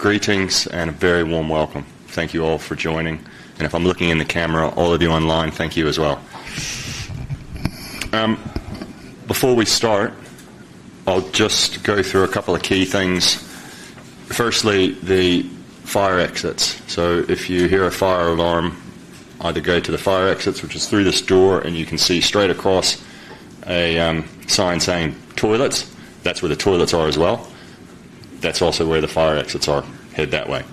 Greetings and a very warm welcome. Thank you all for joining. If I'm looking in the camera, all of you online, thank you as well. Before we start, I'll just go through a couple of key things. Firstly, the fire exits. If you hear a fire alarm, either go to the fire exits, which is through this door, and you can see straight across a sign saying toilets. That's where the toilets are as well. That's also where the fire exits are, head that way.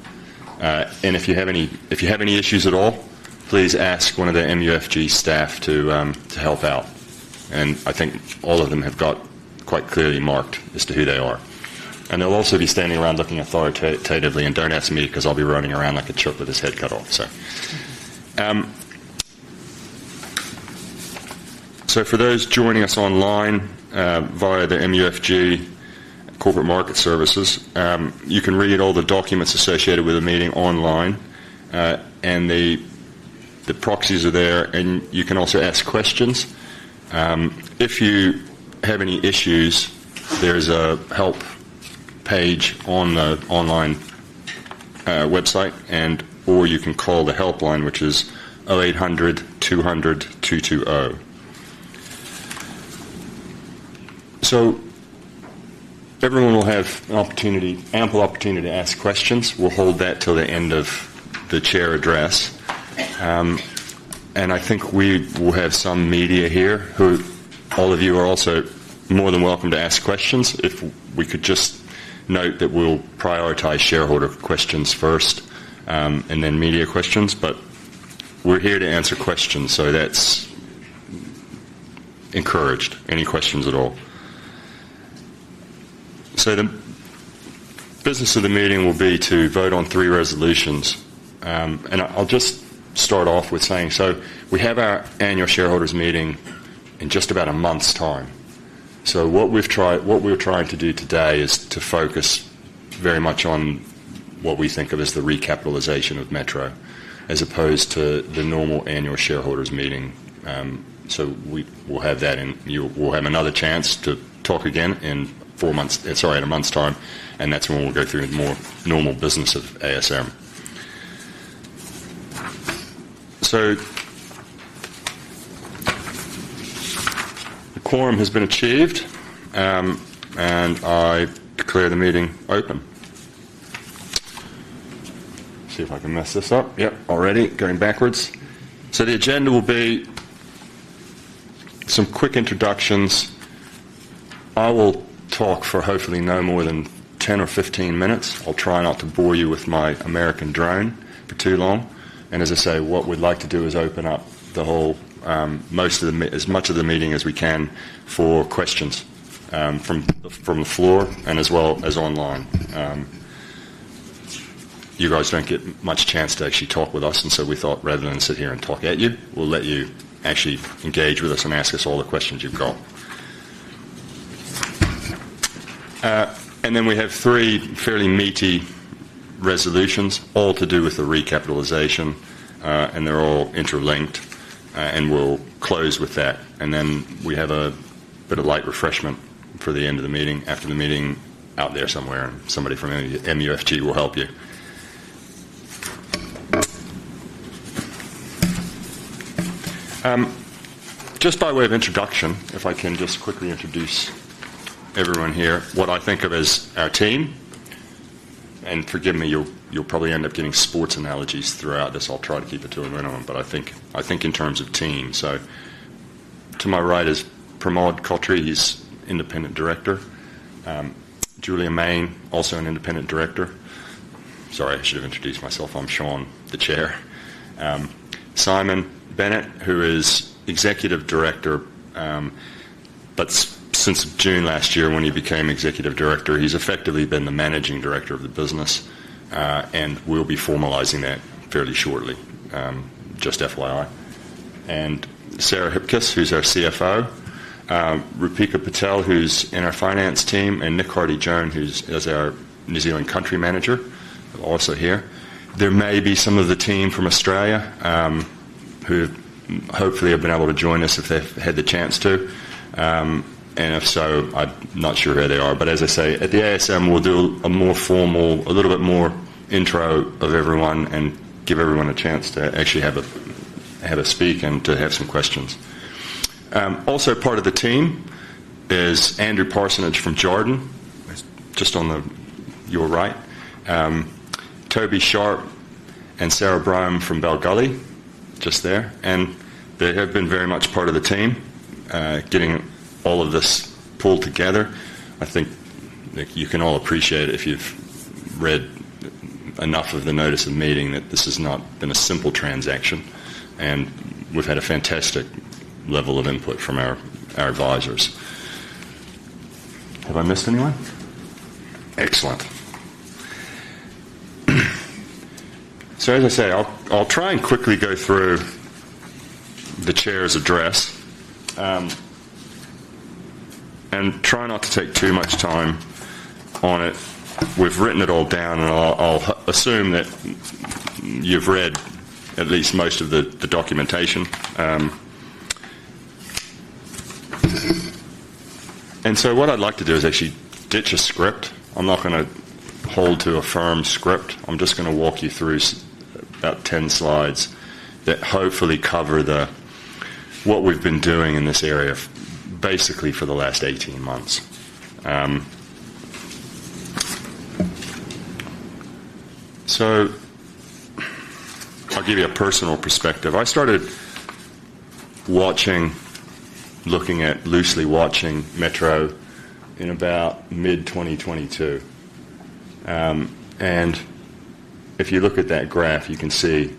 If you have any issues at all, please ask one of the MUFG staff to help out. I think all of them have got quite clearly marked as to who they are. They'll also be standing around looking authoritatively. Don't ask me because I'll be running around like a chip with his head cut off. For those joining us online via the MUFG corporate market services, you can read all the documents associated with the meeting online. The proxies are there, and you can also ask questions. If you have any issues, there is a help page on the online website, or you can call the helpline, which is 0800 200 220. Everyone will have an opportunity, ample opportunity to ask questions. We'll hold that till the end of the chair address. I think we will have some media here, who all of you are also more than welcome to ask questions. If we could just note that we'll prioritize shareholder questions first and then media questions, but we're here to answer questions. That's encouraged. Any questions at all? The business of the meeting will be to vote on three resolutions. I'll just start off with saying we have our annual shareholders meeting in just about a month's time. What we're trying to do today is to focus very much on what we think of as the recapitalization of Metro, as opposed to the normal annual shareholders meeting. We will have that, and you will have another chance to talk again in a month's time. That's when we'll go through more normal business of ASM. The quorum has been achieved. I declare the meeting open. See if I can mess this up. Yep, already going backwards. The agenda will be some quick introductions. I will talk for hopefully no more than 10 or 15 minutes. I'll try not to bore you with my American drone for too long. What we'd like to do is open up as much of the meeting as we can for questions from the floor as well as online. You guys don't get much chance to actually talk with us. We thought rather than sit here and talk at you, we'll let you actually engage with us and ask us all the questions you've got. We have three fairly meaty resolutions, all to do with the recapitalization. They're all interlinked. We'll close with that. We have a bit of light refreshment for the end of the meeting after the meeting out there somewhere, and somebody from MUFG will help you. Just by way of introduction, if I can just quickly introduce everyone here, what I think of as our team, and forgive me, you'll probably end up getting sports analogies throughout this. I'll try to keep it to a minimum, but I think in terms of team. To my right is Pramod Khatri, he's an Independent Director. Julia Mayne, also an Independent Director. Sorry, I should have introduced myself. I'm Shawn, the Chair. Simon Bennett, who is Executive Director, but since June last year, when he became Executive Director, he's effectively been the Managing Director of the business and will be formalizing that fairly shortly, just FYI. Sarah Hipkiss, who's our CFO, Rupika Patel, who's in our finance team, and Nick Hardy-Jones, who's our New Zealand Country Manager, also here. There may be some of the team from Australia who hopefully have been able to join us if they've had the chance to. If so, I'm not sure where they are. At the ASM, we'll do a more formal, a little bit more intro of everyone and give everyone a chance to actually have a speak and to have some questions. Also part of the team, there's Andrew Paterson from Jordan, just on your right. Toby Sharp and Sarah Broome from Bell Gully, just there. They have been very much a part of the team, getting all of this pulled together. I think you can all appreciate if you've read enough of the notice of meeting that this has not been a simple transaction. We've had a fantastic level of input from our advisors. Have I missed anyone? Excellent. I'll try and quickly go through the Chair's address and try not to take too much time on it. We've written it all down, and I'll assume that you've read at least most of the documentation. What I'd like to do is actually ditch a script. I'm not going to hold to a firm script. I'm just going to walk you through about 10 slides that hopefully cover what we've been doing in this area basically for the last 18 months. I'll give you a personal perspective. I started looking at, loosely watching Metro in about mid-2022. If you look at that graph, you can see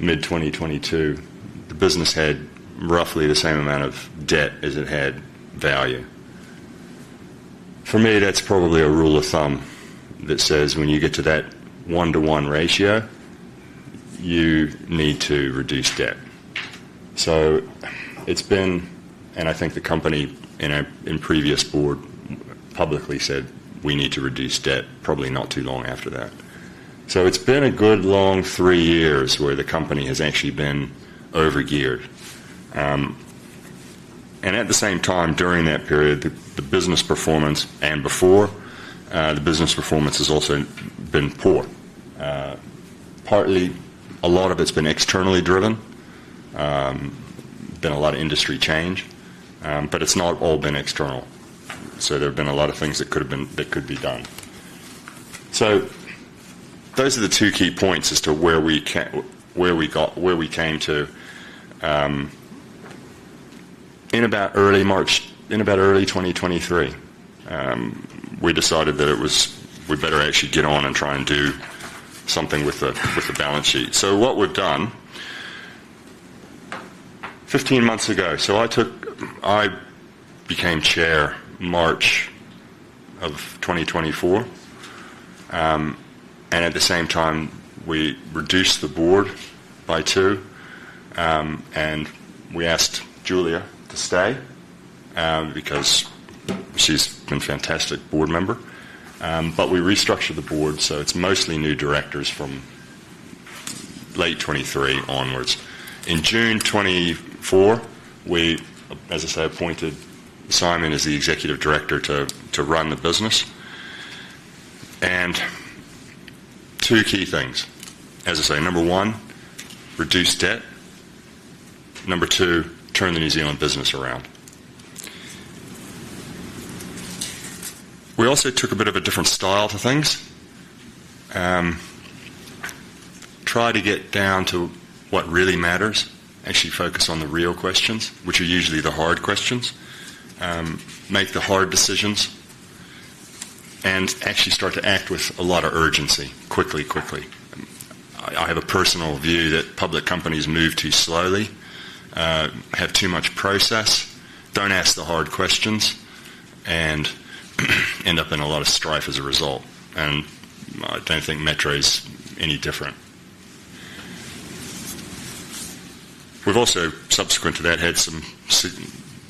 mid-2022, the business had roughly the same amount of debt as it had value. For me, that's probably a rule of thumb that says when you get to that one-to-one ratio, you need to reduce debt. I think the company in a previous board publicly said we need to reduce debt probably not too long after that. It's been a good long three years where the company has actually been overgeared. At the same time, during that period, the business performance and before the business performance has also been poor. Partly, a lot of it's been externally driven. There has been a lot of industry change, but it's not all been external. There have been a lot of things that could have been, that could be done. Those are the two key points as to where we can, where we got, where we came to. In about early March, in about early 2023, we decided that it was, we better actually get on and try and do something with the balance sheet. What we've done 15 months ago, I became Chair March of 2024. At the same time, we reduced the board by two. We asked Julia Mayne to stay because she's been a fantastic board member. We restructured the board, so it's mostly new directors from late 2023 onwards. In June 2024, we, as I say, appointed Simon as the Executive Director to run the business. Two key things, as I say, number one, reduce debt. Number two, turn the New Zealand business around. We also took a bit of a different style to things. Try to get down to what really matters, actually focus on the real questions, which are usually the hard questions. Make the hard decisions and actually start to act with a lot of urgency, quickly, quickly. I have a personal view that public companies move too slowly, have too much process, don't ask the hard questions, and end up in a lot of strife as a result. I don't think Metro is any different. We've also, subsequent to that, had some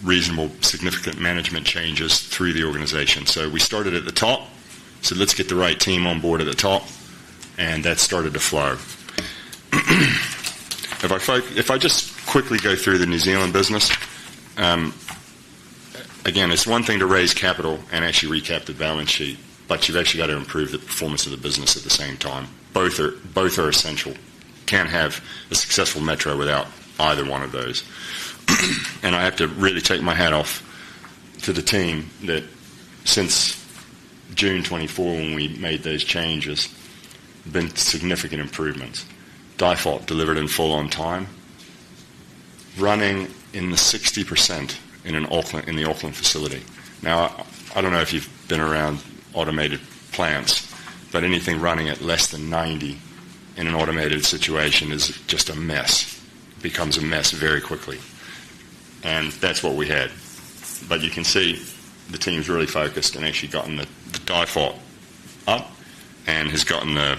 reasonable, significant management changes through the organization. We started at the top, said let's get the right team on board at the top, and that started to flow. If I just quickly go through the New Zealand business, again, it's one thing to raise capital and actually recap the balance sheet, but you've actually got to improve the performance of the business at the same time. Both are essential. Can't have a successful Metro without either one of those. I have to really take my hat off to the team that since June 2024, when we made those changes, there's been significant improvements. DIFOT, delivered in full on time, running in the 60% in the Auckland facility. I don't know if you've been around automated plants, but anything running at less than 90% in an automated situation is just a mess, becomes a mess very quickly. That's what we had. You can see the team's really focused and actually gotten the DIFOT up and has gotten the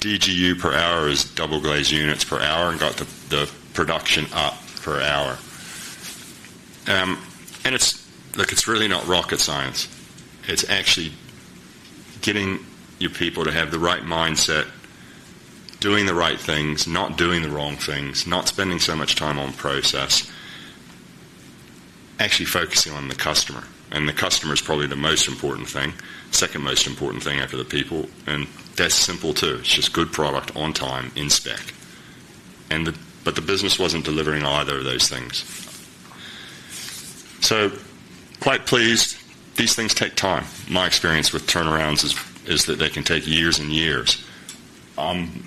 DGU per hour, as double glazed units per hour, and got the production up per hour. It's really not rocket science. It's actually getting your people to have the right mindset, doing the right things, not doing the wrong things, not spending so much time on process, actually focusing on the customer. The customer is probably the most important thing, second most important thing after the people. That's simple too. It's just good product on time, in spec. The business wasn't delivering either of those things. Quite pleased. These things take time. My experience with turnarounds is that they can take years and years. I'm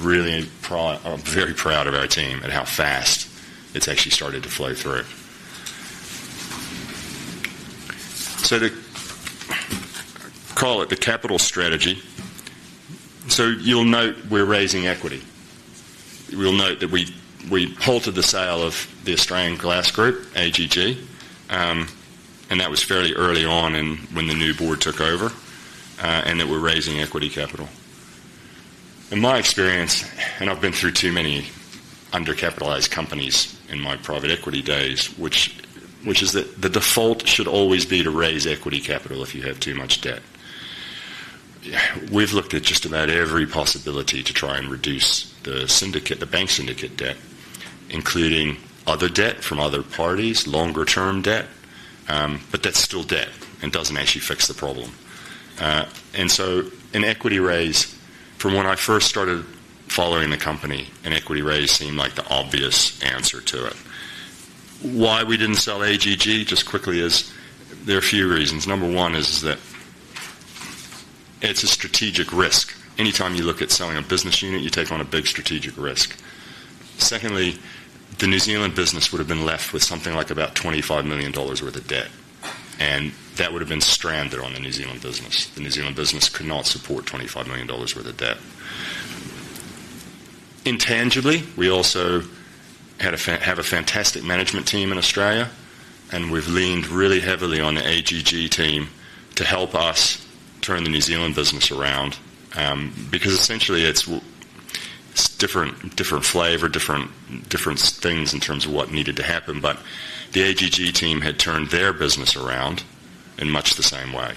really proud, I'm very proud of our team and how fast it's actually started to flow through. The, call it the capital strategy. You'll note we're raising equity. You'll note that we halted the sale of the Australian Glass Group, AGG. That was fairly early on when the new board took over, and that we're raising equity capital. In my experience, and I've been through too many undercapitalized companies in my private equity days, the default should always be to raise equity capital if you have too much debt. We've looked at just about every possibility to try and reduce the syndicate, the banking syndicate debt, including other debt from other parties, longer term debt. That's still debt and doesn't actually fix the problem. An equity raise, from when I first started following the company, an equity raise seemed like the obvious answer to it. Why we didn't sell AGG just quickly is there are a few reasons. Number one is that it's a strategic risk. Anytime you look at selling a business unit, you take on a big strategic risk. Secondly, the New Zealand business would have been left with something like about 25 million dollars worth of debt. That would have been stranded on the New Zealand business. The New Zealand business could not support 25 million dollars worth of debt. Intangibly, we also have a fantastic management team in Australia. We've leaned really heavily on the Australian Glass Group team to help us turn the New Zealand business around because essentially it's different, different flavor, different things in terms of what needed to happen. The AGG team had turned their business around in much the same way.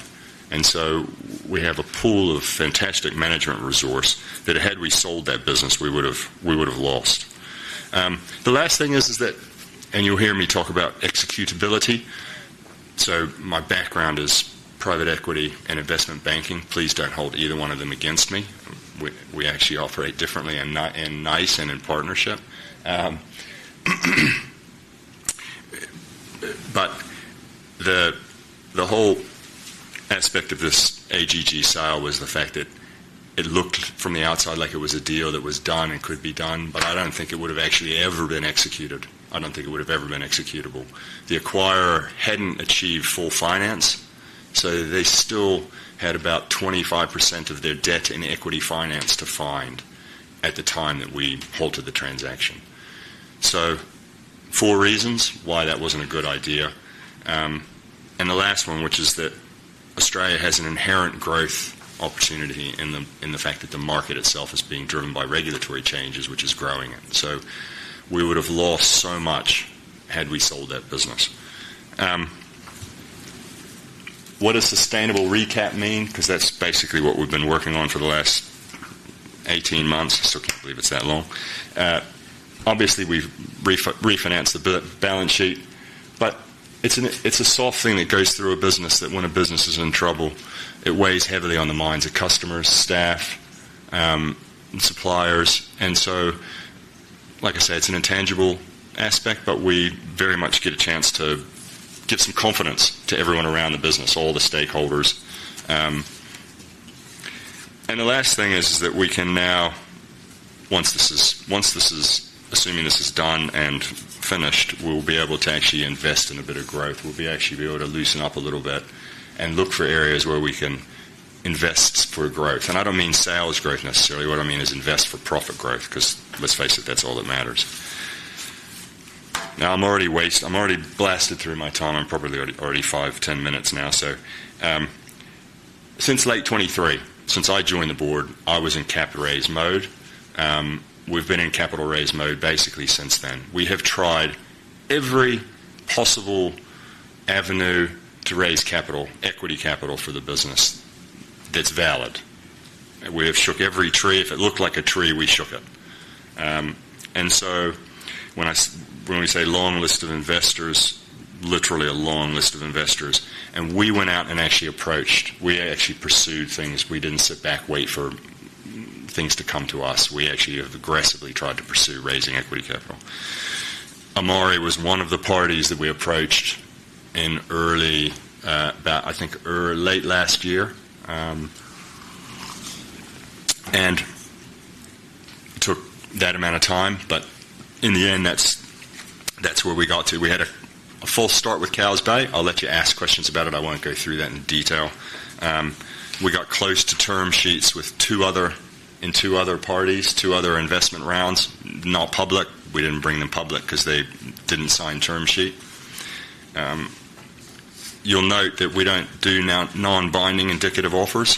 We have a pool of fantastic management resource that, had we sold that business, we would have lost. The last thing is that you'll hear me talk about executability. My background is private equity and investment banking. Please don't hold either one of them against me. We actually operate differently and nice and in partnership. The whole aspect of this AGG sale was the fact that it looked from the outside like it was a deal that was done and could be done, but I don't think it would have actually ever been executed. I don't think it would have ever been executable. The acquirer hadn't achieved full finance. They still had about 25% of their debt in equity finance to find at the time that we halted the transaction. Four reasons why that wasn't a good idea. The last one, which is that Australia has an inherent growth opportunity in the fact that the market itself is being driven by regulatory changes, which is growing it. We would have lost so much had we sold that business. What does sustainable recap mean? That's basically what we've been working on for the last 18 months. I still can't believe it's that long. Obviously, we've refinanced the balance sheet. It's a soft thing that goes through a business that, when a business is in trouble, it weighs heavily on the minds of customers, staff, and suppliers. Like I say, it's an intangible aspect, but we very much get a chance to give some confidence to everyone around the business, all the stakeholders. The last thing is that we can now, once this is, assuming this is done and finished, we'll be able to actually invest in a bit of growth. We'll actually be able to loosen up a little bit and look for areas where we can invest for growth. I don't mean sales growth necessarily. What I mean is invest for profit growth because let's face it, that's all that matters. Now I've already blasted through my time. I'm probably already five, ten minutes now. Since late 2023, since I joined the board, I was in capital raise mode. We've been in capital raise mode basically since then. We have tried every possible avenue to raise capital, equity capital for the business that's valid. We have struck every tree. If it looked like a tree, we shook it. When I say long list of investors, literally a long list of investors, and we went out and actually approached, we actually pursued things. We didn't sit back, wait for things to come to us. We actually have aggressively tried to pursue raising equity capital. Amari was one of the parties that we approached in early, about I think late last year. It took that amount of time, but in the end, that's where we got to. We had a false start with Cowes Bay. I'll let you ask questions about it. I won't go through that in detail. We got close to term sheets with two other, in two other parties, two other investment rounds, not public. We didn't bring them public because they didn't sign term sheet. You'll note that we don't do non-binding indicative offers.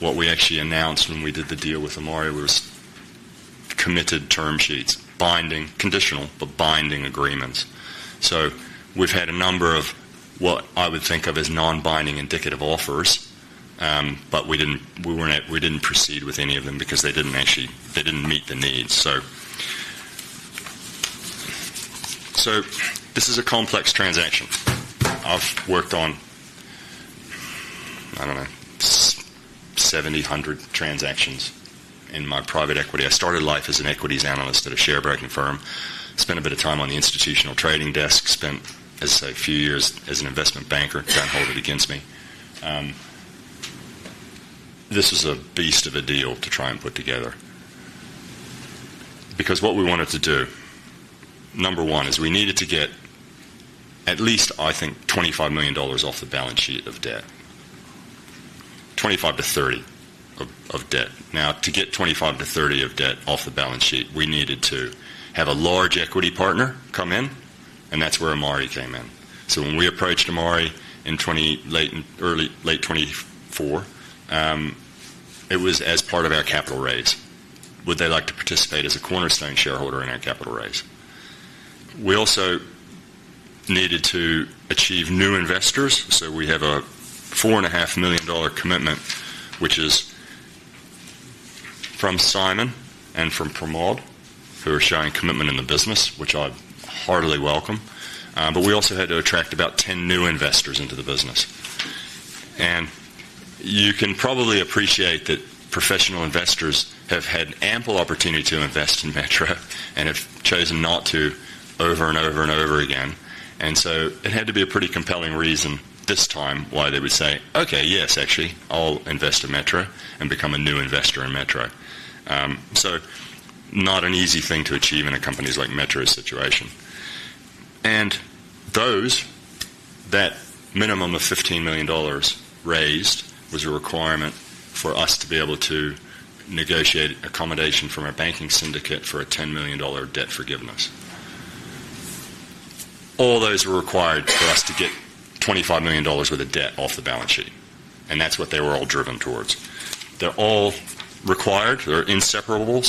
What we actually announced when we did the deal with Amari was committed term sheets, binding, conditional, but binding agreements. We've had a number of what I would think of as non-binding indicative offers, but we didn't proceed with any of them because they didn't actually, they didn't meet the needs. This is a complex transaction. I've worked on, I don't know, 7,800 transactions in my private equity. I started life as an equities analyst at a share-broking firm. Spent a bit of time on the institutional trading desk, spent, as I say, a few years as an investment banker. Don't hold it against me. This was a beast of a deal to try and put together. What we wanted to do, number one, is we needed to get at least, I think, 25 million dollars off the balance sheet of debt. 25 million-30 million of debt. Now, to get 25 million-30 million of debt off the balance sheet, we needed to have a large equity partner come in, and that's where Amari came in. When we approached Amari in late 2024, it was as part of our capital raise. Would they like to participate as a cornerstone shareholder in our capital raise? We also needed to achieve new investors. We have a 4.5 million dollar commitment, which is from Simon and from Pramod for showing commitment in the business, which I'd heartily welcome. We also had to attract about 10 new investors into the business. You can probably appreciate that professional investors have had ample opportunity to invest in Metro and have chosen not to over and over again. It had to be a pretty compelling reason this time why they would say, okay, yes, actually, I'll invest in Metro and become a new investor in Metro. Not an easy thing to achieve in a company like Metro's situation. That minimum of 15 million dollars raised was a requirement for us to be able to negotiate accommodation from a banking syndicate for a 10 million dollar debt forgiveness. All those were required for us to get 25 million dollars worth of debt off the balance sheet. That's what they were all driven towards. They're all required. They're inseparable.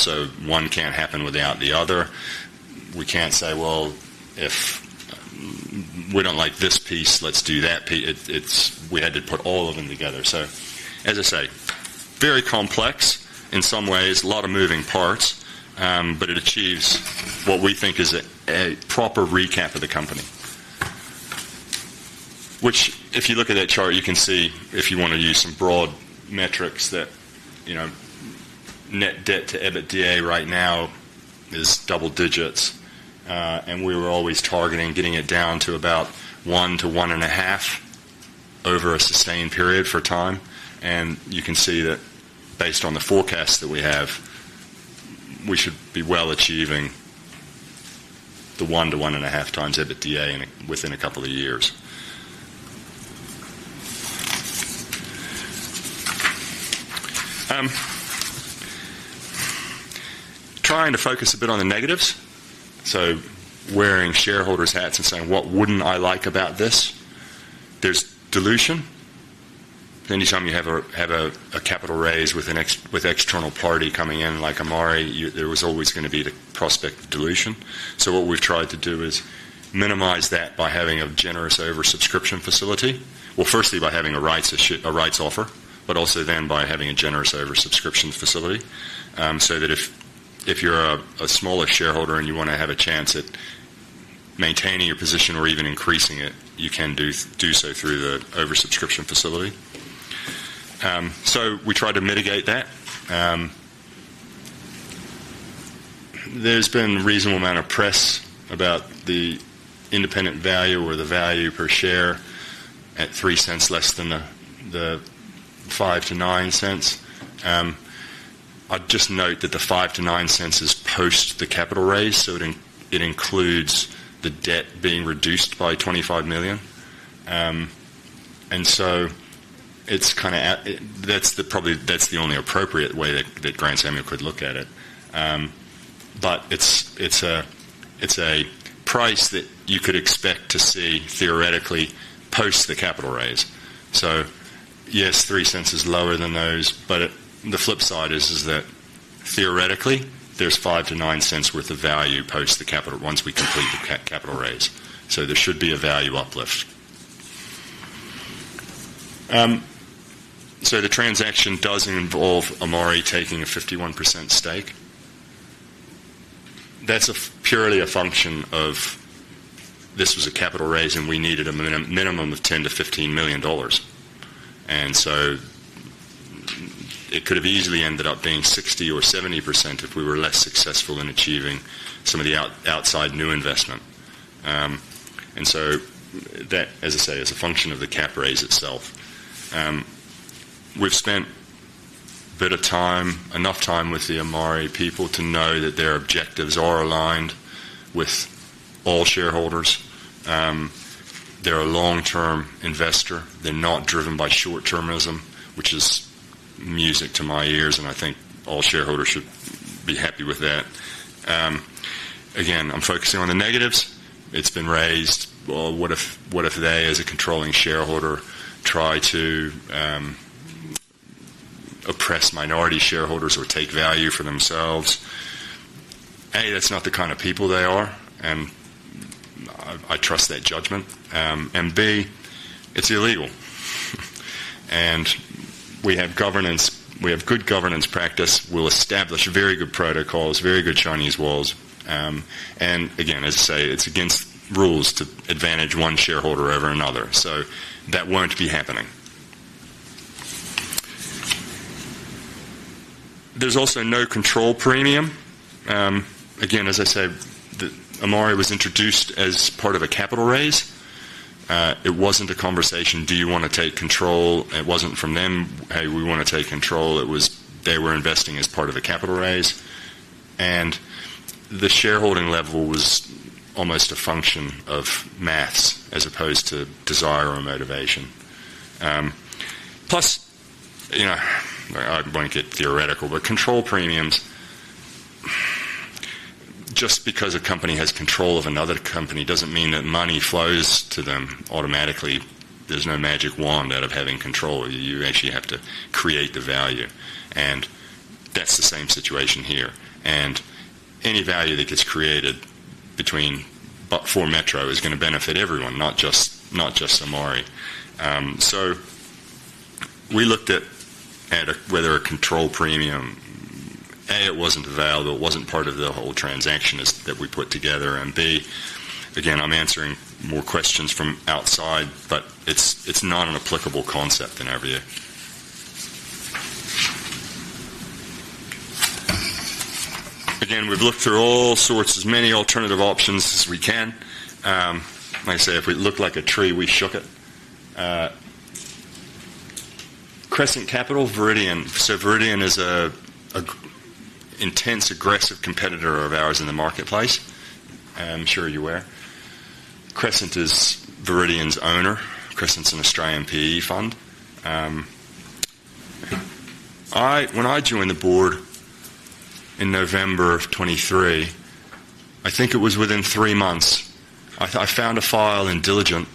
One can't happen without the other. We can't say, if we don't like this piece, let's do that piece. We had to put all of them together. As I say, very complex in some ways, a lot of moving parts, but it achieves what we think is a proper recap of the company. If you look at that chart, you can see, if you want to use some broad metrics, that net debt to EBITDA right now is double digits. We were always targeting getting it down to about one to one and a half over a sustained period of time. You can see that based on the forecast that we have, we should be well achieving the one to one and a half times EBITDA within a couple of years. Trying to focus a bit on the negatives, wearing shareholders' hats and saying, what wouldn't I like about this? There's dilution. Anytime you have a capital raise with an external party coming in like Amari, there was always going to be the prospect of dilution. What we've tried to do is minimize that by having a generous oversubscription facility, firstly by having a rights offer, but also then by having a generous oversubscription facility. If you're a smaller shareholder and you want to have a chance at maintaining your position or even increasing it, you can do so through the oversubscription facility. We tried to mitigate that. There's been a reasonable amount of press about the independent value or the value per share at 0.03 less than the 0.05-0.09. I'd just note that the 0.05-0.09 is post the capital raise, so it includes the debt being reduced by 25 million. That's probably the only appropriate way that Grant Samuel could look at it. It's a price that you could expect to see theoretically post the capital raise. Yes, 0.03 is lower than those, but the flip side is that theoretically, there's 0.05-0.09 worth of value post the capital once we complete the capital raise. There should be a value uplift. The transaction does involve Amari taking a 51% stake. That's purely a function of this being a capital raise and we needed a minimum of 10 million-15 million dollars. It could have easily ended up being 60% or 70% if we were less successful in achieving some of the outside new investment. That, as I say, is a function of the cap raise itself. We've spent enough time with the Amari people to know that their objectives are aligned with all shareholders. They're a long-term investor. They're not driven by short-termism, which is music to my ears, and I think all shareholders should be happy with that. I'm focusing on the negatives. It's been raised: what if they, as a controlling shareholder, try to oppress minority shareholders or take value for themselves? A, that's not the kind of people they are, and I trust that judgment. B, it's illegal. We have governance, we have good governance practice, we'll establish very good protocols, very good Chinese walls. As I say, it's against rules to advantage one shareholder over another. That won't be happening. There's also no control premium. As I say, Amari was introduced as part of a capital raise. It wasn't a conversation, do you want to take control? It wasn't from them, hey, we want to take control. They were investing as part of a capital raise. The shareholding level was almost a function of maths as opposed to desire or motivation. Plus, I'd blanket theoretical, but control premium, just because a company has control of another company doesn't mean that money flows to them automatically. There's no magic wand out of having control. You actually have to create the value. That's the same situation here. Any value that gets created for Metro is going to benefit everyone, not just Amari. We looked at whether a control premium, A, it wasn't available, it wasn't part of the whole transaction that we put together. B, I'm answering more questions from outside, but it's not an applicable concept in our view. We've looked through as many alternative options as we can. Like I say, if we look like a tree, we shook it. Crescent Capital, Viridian. Viridian is an intense, aggressive competitor of ours in the marketplace. I'm sure you're aware. Crescent is Viridian's owner. Crescent's an Australian PE fund. When I joined the board in November of 2023, I think it was within three months, I found a file in Diligent,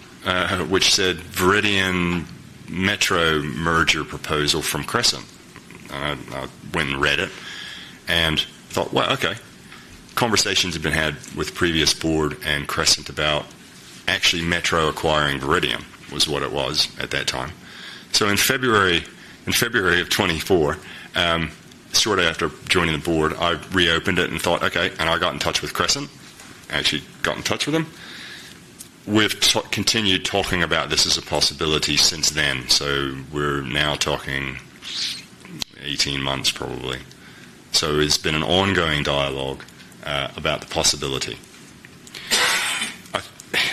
which said Viridian Metro merger proposal from Crescent. I went and read it and thought, okay. Conversations have been had with previous board and Crescent about actually Metro acquiring Viridian was what it was at that time. In February of 2024, shortly after joining the board, I reopened it and thought, okay, and I got in touch with Crescent. I actually got in touch with them. We've continued talking about this as a possibility since then. We're now talking 18 months probably. It's been an ongoing dialogue about the possibility.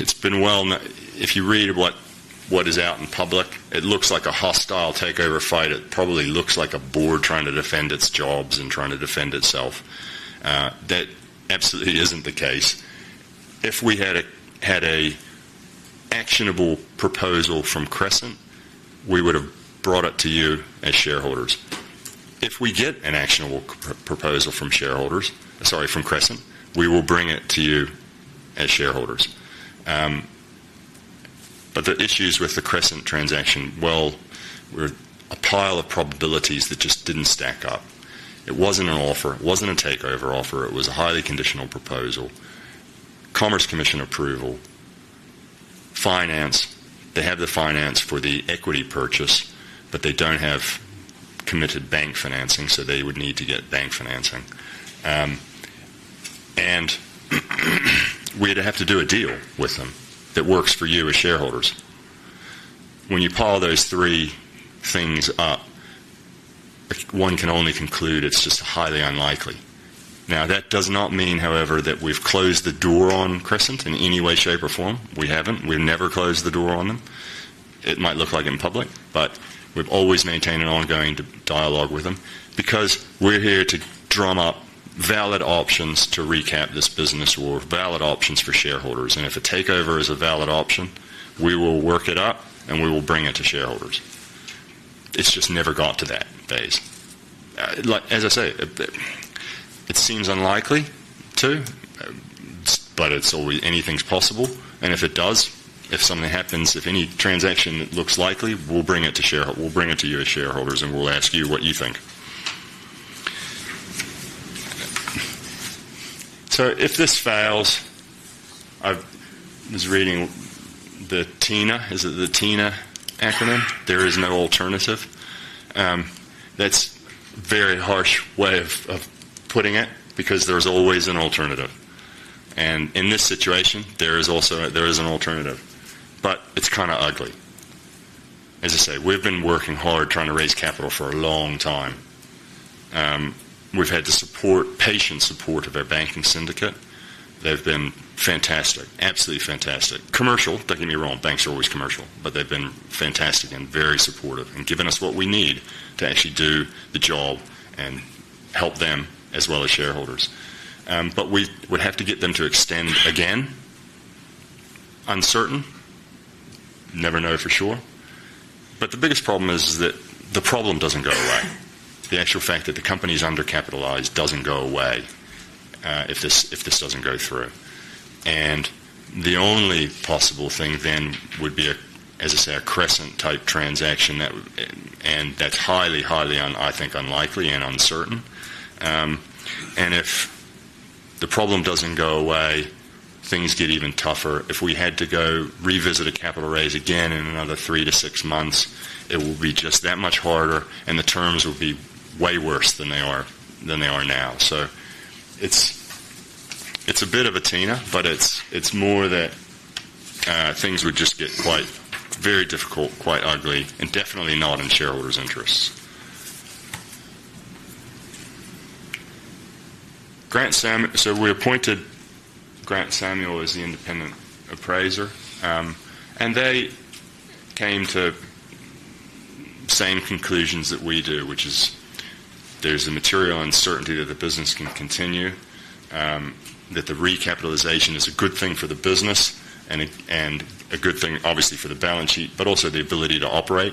If you read what is out in public, it looks like a hostile takeover fight. It probably looks like a board trying to defend its jobs and trying to defend itself. That absolutely isn't the case. If we had an actionable proposal from Crescent, we would have brought it to you as shareholders. If we get an actionable proposal from Crescent, we will bring it to you as shareholders. The issues with the Crescent transaction were a pile of probabilities that just didn't stack up. It wasn't an offer. It wasn't a takeover offer. It was a highly conditional proposal. Commerce Commission approval. Finance. They have the finance for the equity purchase, but they don't have committed bank financing, so they would need to get bank financing. We'd have to do a deal with them that works for you as shareholders. When you pile those three things up, one can only conclude it's just highly unlikely. That does not mean, however, that we've closed the door on Crescent in any way, shape, or form. We haven't. We've never closed the door on them. It might look like in public, but we've always maintained an ongoing dialogue with them because we're here to drum up valid options to recap this business or valid options for shareholders. If a takeover is a valid option, we will work it up and we will bring it to shareholders. It's just never got to that phase. As I say, it seems unlikely too, but it's always, anything's possible. If something happens, if any transaction that looks likely, we'll bring it to shareholders. We'll bring it to you as shareholders and we'll ask you what you think. If this fails, I was reading the TINA, is it the TINA acronym? There is no alternative. That's a very harsh way of putting it because there's always an alternative. In this situation, there is also, there is an alternative, but it's kind of ugly. As I say, we've been working hard trying to raise capital for a long time. We've had the support, patient support of our banking syndicate. They've been fantastic, absolutely fantastic. Commercial, don't get me wrong, banks are always commercial, but they've been fantastic and very supportive and given us what we need to actually do the job and help them as well as shareholders. We would have to get them to extend again. Uncertain. Never know for sure. The biggest problem is that the problem doesn't go away. The actual fact that the company is undercapitalized doesn't go away if this doesn't go through. The only possible thing then would be, as I say, a Crescent-type transaction that would, and that's highly, highly, I think, unlikely and uncertain. If the problem doesn't go away, things get even tougher. If we had to go revisit a capital raise again in another three to six months, it will be just that much harder, and the terms will be way worse than they are now. It's a bit of a TINA, but it's more that things would just get quite very difficult, quite ugly, and definitely not in shareholders' interests. We appointed Grant Samuel as the independent appraiser. They came to the same conclusions that we do, which is there's a material uncertainty that the business can continue, that the recapitalization is a good thing for the business and a good thing, obviously, for the balance sheet, but also the ability to operate.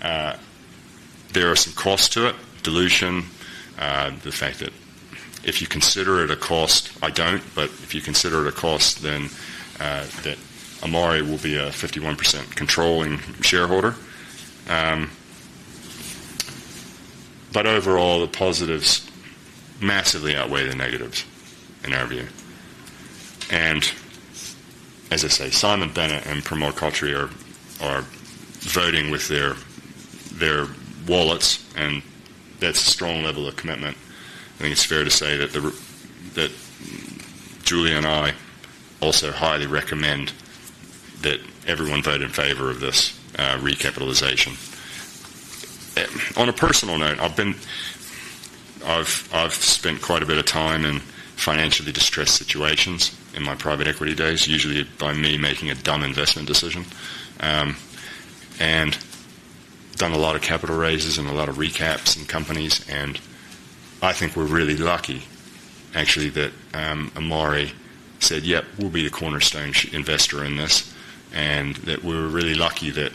There are some costs to it, dilution, the fact that if you consider it a cost, I don't, but if you consider it a cost, then Amari will be a 51% controlling shareholder. Overall, the positives massively outweigh the negatives in our view. As I say, Simon Bennett and Pramod Khatri are voting with their wallets, and that's a strong level of commitment. I think it's fair to say that Julia and I also highly recommend that everyone vote in favor of this recapitalization. On a personal note, I've spent quite a bit of time in financially distressed situations in my private equity days, usually by me making a dumb investment decision. I've done a lot of capital raises and a lot of recaps in companies, and I think we're really lucky, actually, that Amari said, "Yeah, we'll be the cornerstone investor in this." We're really lucky that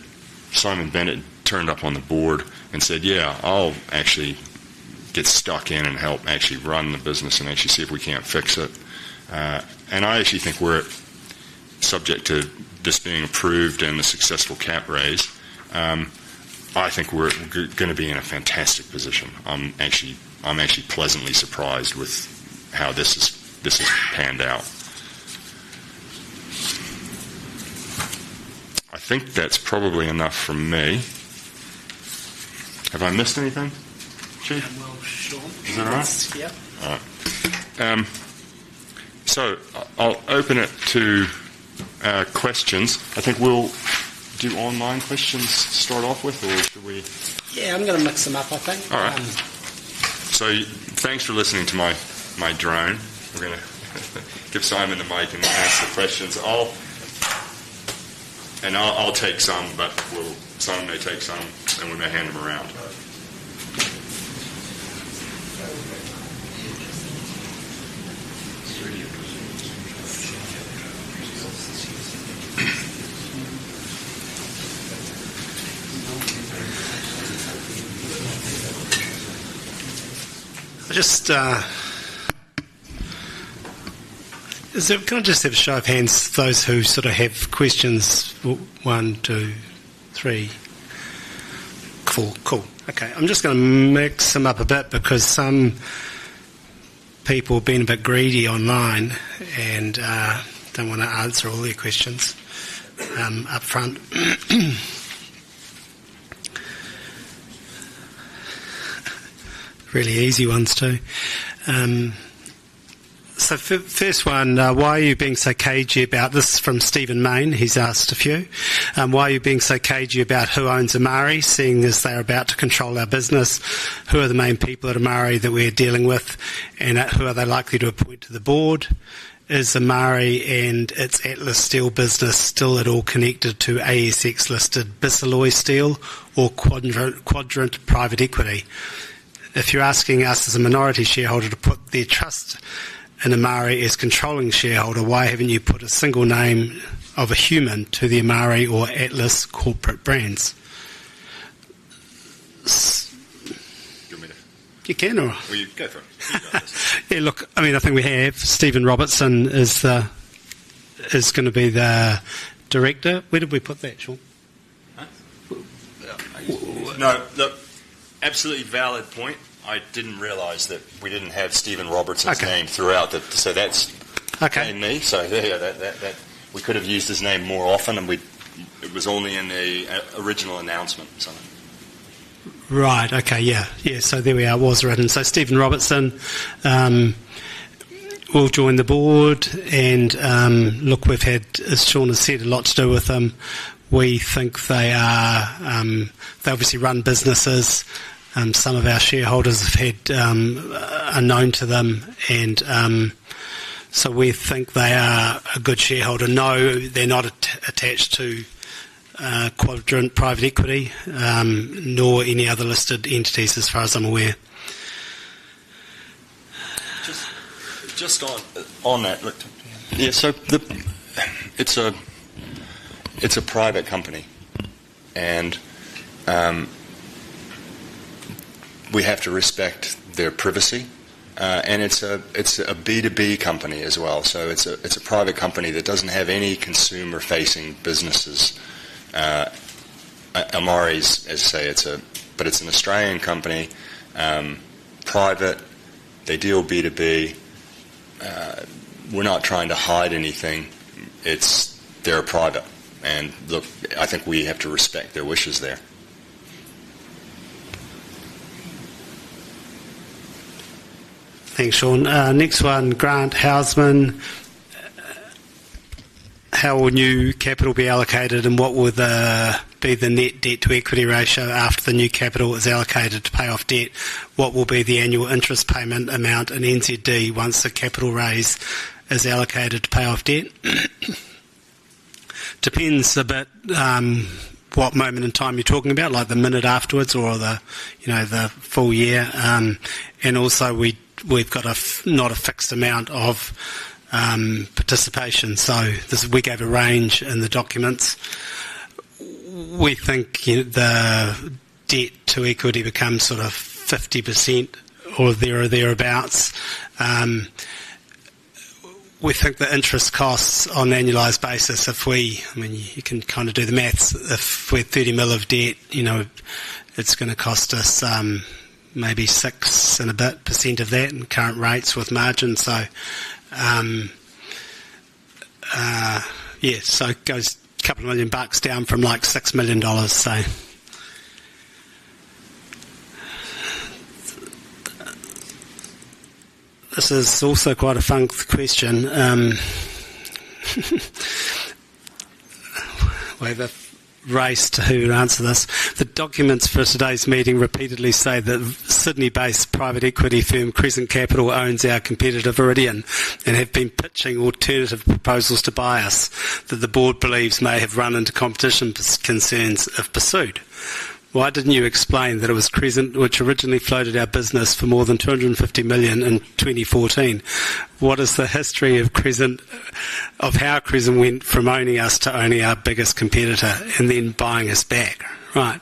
Simon Bennett turned up on the board and said, "Yeah, I'll actually get stuck in and help actually run the business and actually see if we can't fix it." I actually think we're subject to this being approved and a successful capital raise. I think we're going to be in a fantastic position. I'm actually pleasantly surprised with how this has panned out. I think that's probably enough from me. Have I missed anything? Is that all right, Shawn? Yeah. I'll open it to questions. I think we'll do online questions to start off with, or should we? Yeah, I'm going to mix them up, I think. All right. Thanks for listening to my drone. We're going to give Simon the mic and answer the questions. I'll take some, Simon may take some, and we may hand them around. I just, can I just have a show of hands for those who sort of have questions? One, two, three. Cool, cool. Okay, I'm just going to mix them up a bit because some people have been a bit greedy online and don't want to answer all their questions upfront. Really easy ones too. First one, why are you being so cagey about this? From Stephen Main, he's asked a few. Why are you being so cagey about who owns Amari, seeing as they're about to control our business? Who are the main people at Amari that we're dealing with? Who are they likely to appoint to the board? Is Amari and its Atlas Steel business still at all connected to ASX listed Bisalloy Steel or Quadrant Private Equity? If you're asking us as a minority shareholder to put their trust in Amari as a controlling shareholder, why haven't you put a single name of a human to the Amari or Atlas corporate brands? Do you want me to? You can, or? What are you going for? Yeah, look, I mean, I think we have Stephen Robertson is going to be the director. Where did we put that, Shawn? No, absolutely valid point. I didn't realize that we didn't have Stephen Robertson's name throughout, so that's okay in me. Yeah, we could have used his name more often, and it was only in the original announcement. Right, okay, yeah, so there we are. Stephen Robertson will join the board, and look, we've had, as Shawn has said, a lot to do with them. We think they are, they obviously run businesses. Some of our shareholders are known to them, and we think they are a good shareholder. No, they're not attached to Quadrant Private Equity, nor any other listed entities as far as I'm aware. Just on that, yeah, it's a private company, and we have to respect their privacy. It's a B2B company as well, so it's a private company that doesn't have any consumer-facing businesses. Amari's, as I say, it's an Australian company, private, they deal B2B, we're not trying to hide anything, they're private, and look, I think we have to respect their wishes there. Thanks, Shawn. Next one, Grant Houseman. How will new capital be allocated and what will be the net debt-to-equity ratio after the new capital is allocated to pay off debt? What will be the annual interest payment amount in NZD once the capital raise is allocated to pay off debt? Depends a bit on what moment in time you're talking about, like the minute afterwards or the, you know, the full year. Also, we've got not a fixed amount of participation, so we gave a range in the documents. We think the debt-to-equity becomes sort of 50% or thereabouts. We think the interest costs on an annualized basis, if we, I mean, you can kind of do the math, if we're 30 million of debt, you know, it's going to cost us maybe 6% and a bit of that in current rates with margins. It goes a couple of million bucks down from like 6 million dollars. This is also quite a fun question. We've raced to who to answer this. The documents for today's meeting repeatedly say that Sydney-based private equity firm Crescent Capital owns our competitor Viridian and had been pitching alternative proposals to buy us that the board believes may have run into competition concerns if pursued. Why didn't you explain that it was Crescent which originally floated our business for more than 250 million in 2014? What is the history of Crescent, of how Crescent went from owning us to owning our biggest competitor and then buying us back? Right.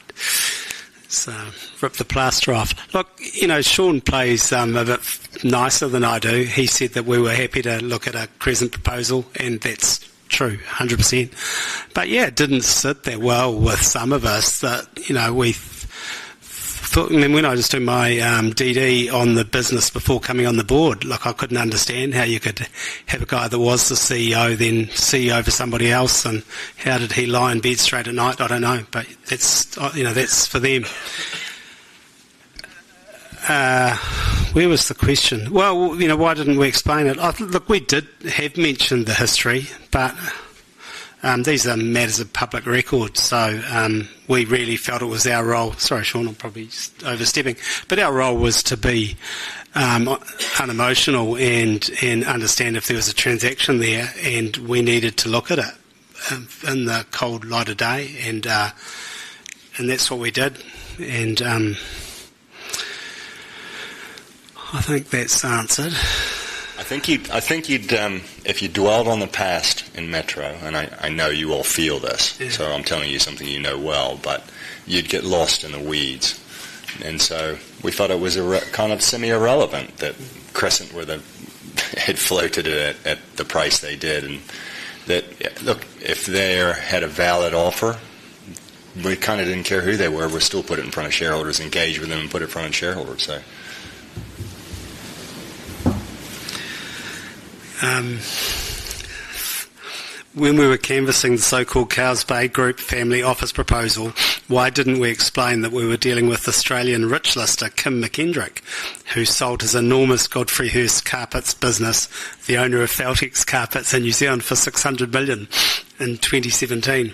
Rip the plaster off. Look, you know, Shawn plays a bit nicer than I do. He said that we were happy to look at a Crescent proposal, and that's true, 100%. It didn't sit there well with some of us that, you know, we thought, and then when I was doing my DD on the business before coming on the board, I couldn't understand how you could have a guy that was the CEO, then CEO for somebody else, and how did he lie in bed straight at night? I don't know. That's for them. Where was the question? Why didn't we explain it? We did have mentioned the history, but these are matters of public record. We really felt it was our role. Sorry, Shawn, I'm probably overstepping. Our role was to be unemotional and understand if there was a transaction there, and we needed to look at it in the cold light of day. That's what we did. I think that's the answer. I think if you dwelled on the past in Metro, and I know you all feel this, so I'm telling you something you know well, you'd get lost in the weeds. We thought it was kind of semi-irrelevant that Crescent were the, it floated at the price they did. If they had a valid offer, we kind of didn't care who they were. We still put it in front of shareholders, engaged with them, and put it in front of shareholders. When we were canvassing the so-called Cowes Bay Group family office proposal, why didn't we explain that we were dealing with Australian rich lister Kim McKendrick, who sold his enormous Godfrey Hirst Carpets business, the owner of Feltex Carpets in New Zealand, for 600 million in 2017?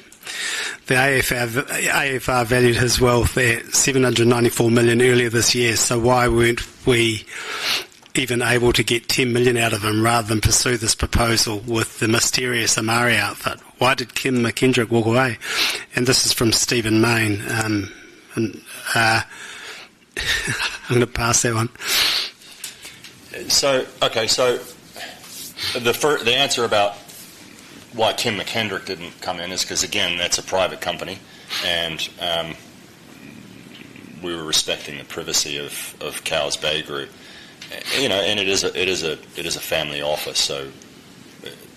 The AFR valued his wealth at 794 million earlier this year, so why weren't we even able to get 10 million out of him rather than pursue this proposal with the mysterious Amari outfit? Why did Kim McKendrick walk away? This is from Stephen Mayne. I'm going to pass that one. Okay, the answer about why Kim McKendrick didn't come in is because, again, that's a private company, and we were respecting the privacy of Cowes Bay Group. It is a family office, so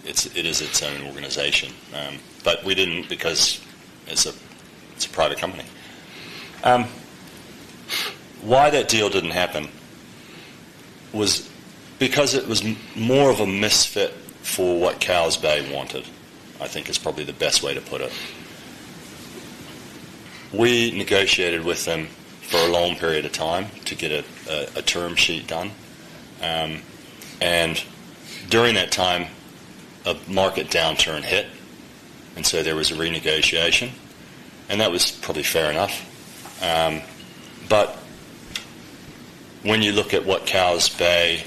it is its own organization. We didn't because it's a private company. Why that deal didn't happen was because it was more of a misfit for what Cowes Bay wanted, I think is probably the best way to put it. We negotiated with them for a long period of time to get a term sheet done. During that time, a market downturn hit, so there was a renegotiation, and that was probably fair enough. When you look at what Cowes Bay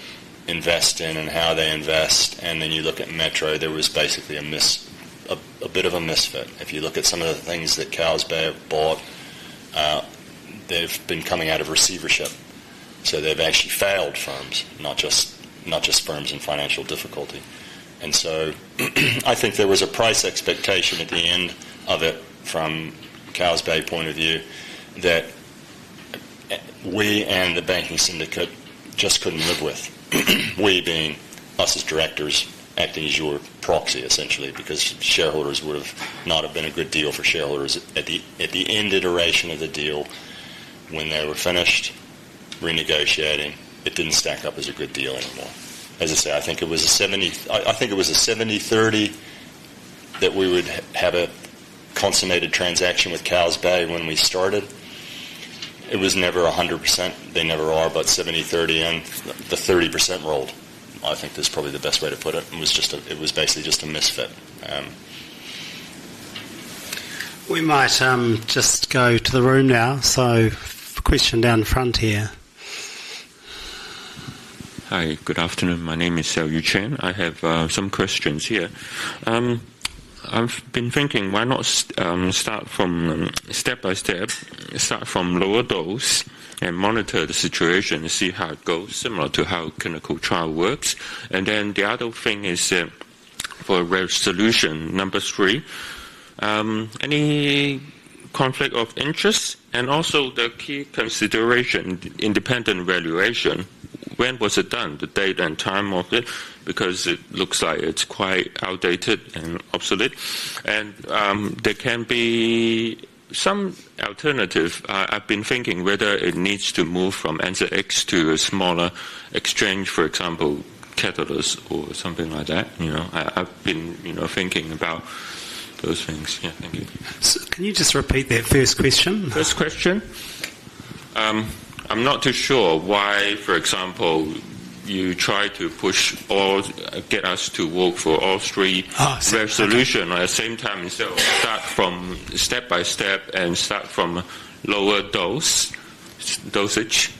invests in and how they invest, and then you look at Metro, there was basically a bit of a misfit. If you look at some of the things that Cowes Bay have bought, they've been coming out of receivership. They've actually failed firms, not just firms in financial difficulty. I think there was a price expectation at the end of it from Cowes Bay's point of view that we and the banking syndicate just couldn't live with. We being us as directors at the Azure proxy, essentially, because it would not have been a good deal for shareholders. At the end iteration of the deal, when they were finished renegotiating, it didn't stack up as a good deal anymore. I think it was a 70-30 that we would have a consummated transaction with Cowes Bay when we started. It was never 100%. They never are, but 70-30 and the 30% rolled. I think that's probably the best way to put it. It was basically just a misfit. We might just go to the room now. A question down the front here. Hi, good afternoon. My name is Xiao Yuchen. I have some questions here. I've been thinking, why not start from step by step, start from lower dose, and monitor the situation to see how it goes, similar to how a clinical trial works? For resolution number three, any conflict of interest? Also, the key consideration, independent evaluation. When was it done? The date and time of it, because it looks like it's quite outdated and obsolete. There can be some alternative. I've been thinking whether it needs to move from NZX to a smaller exchange, for example, Catalyst or something like that. I've been thinking about those things. Thank you. Can you just repeat that first question? First question? I'm not too sure why, for example, you try to push or get us to work for all three resolutions at the same time. Start from step by step and start from lower dosage,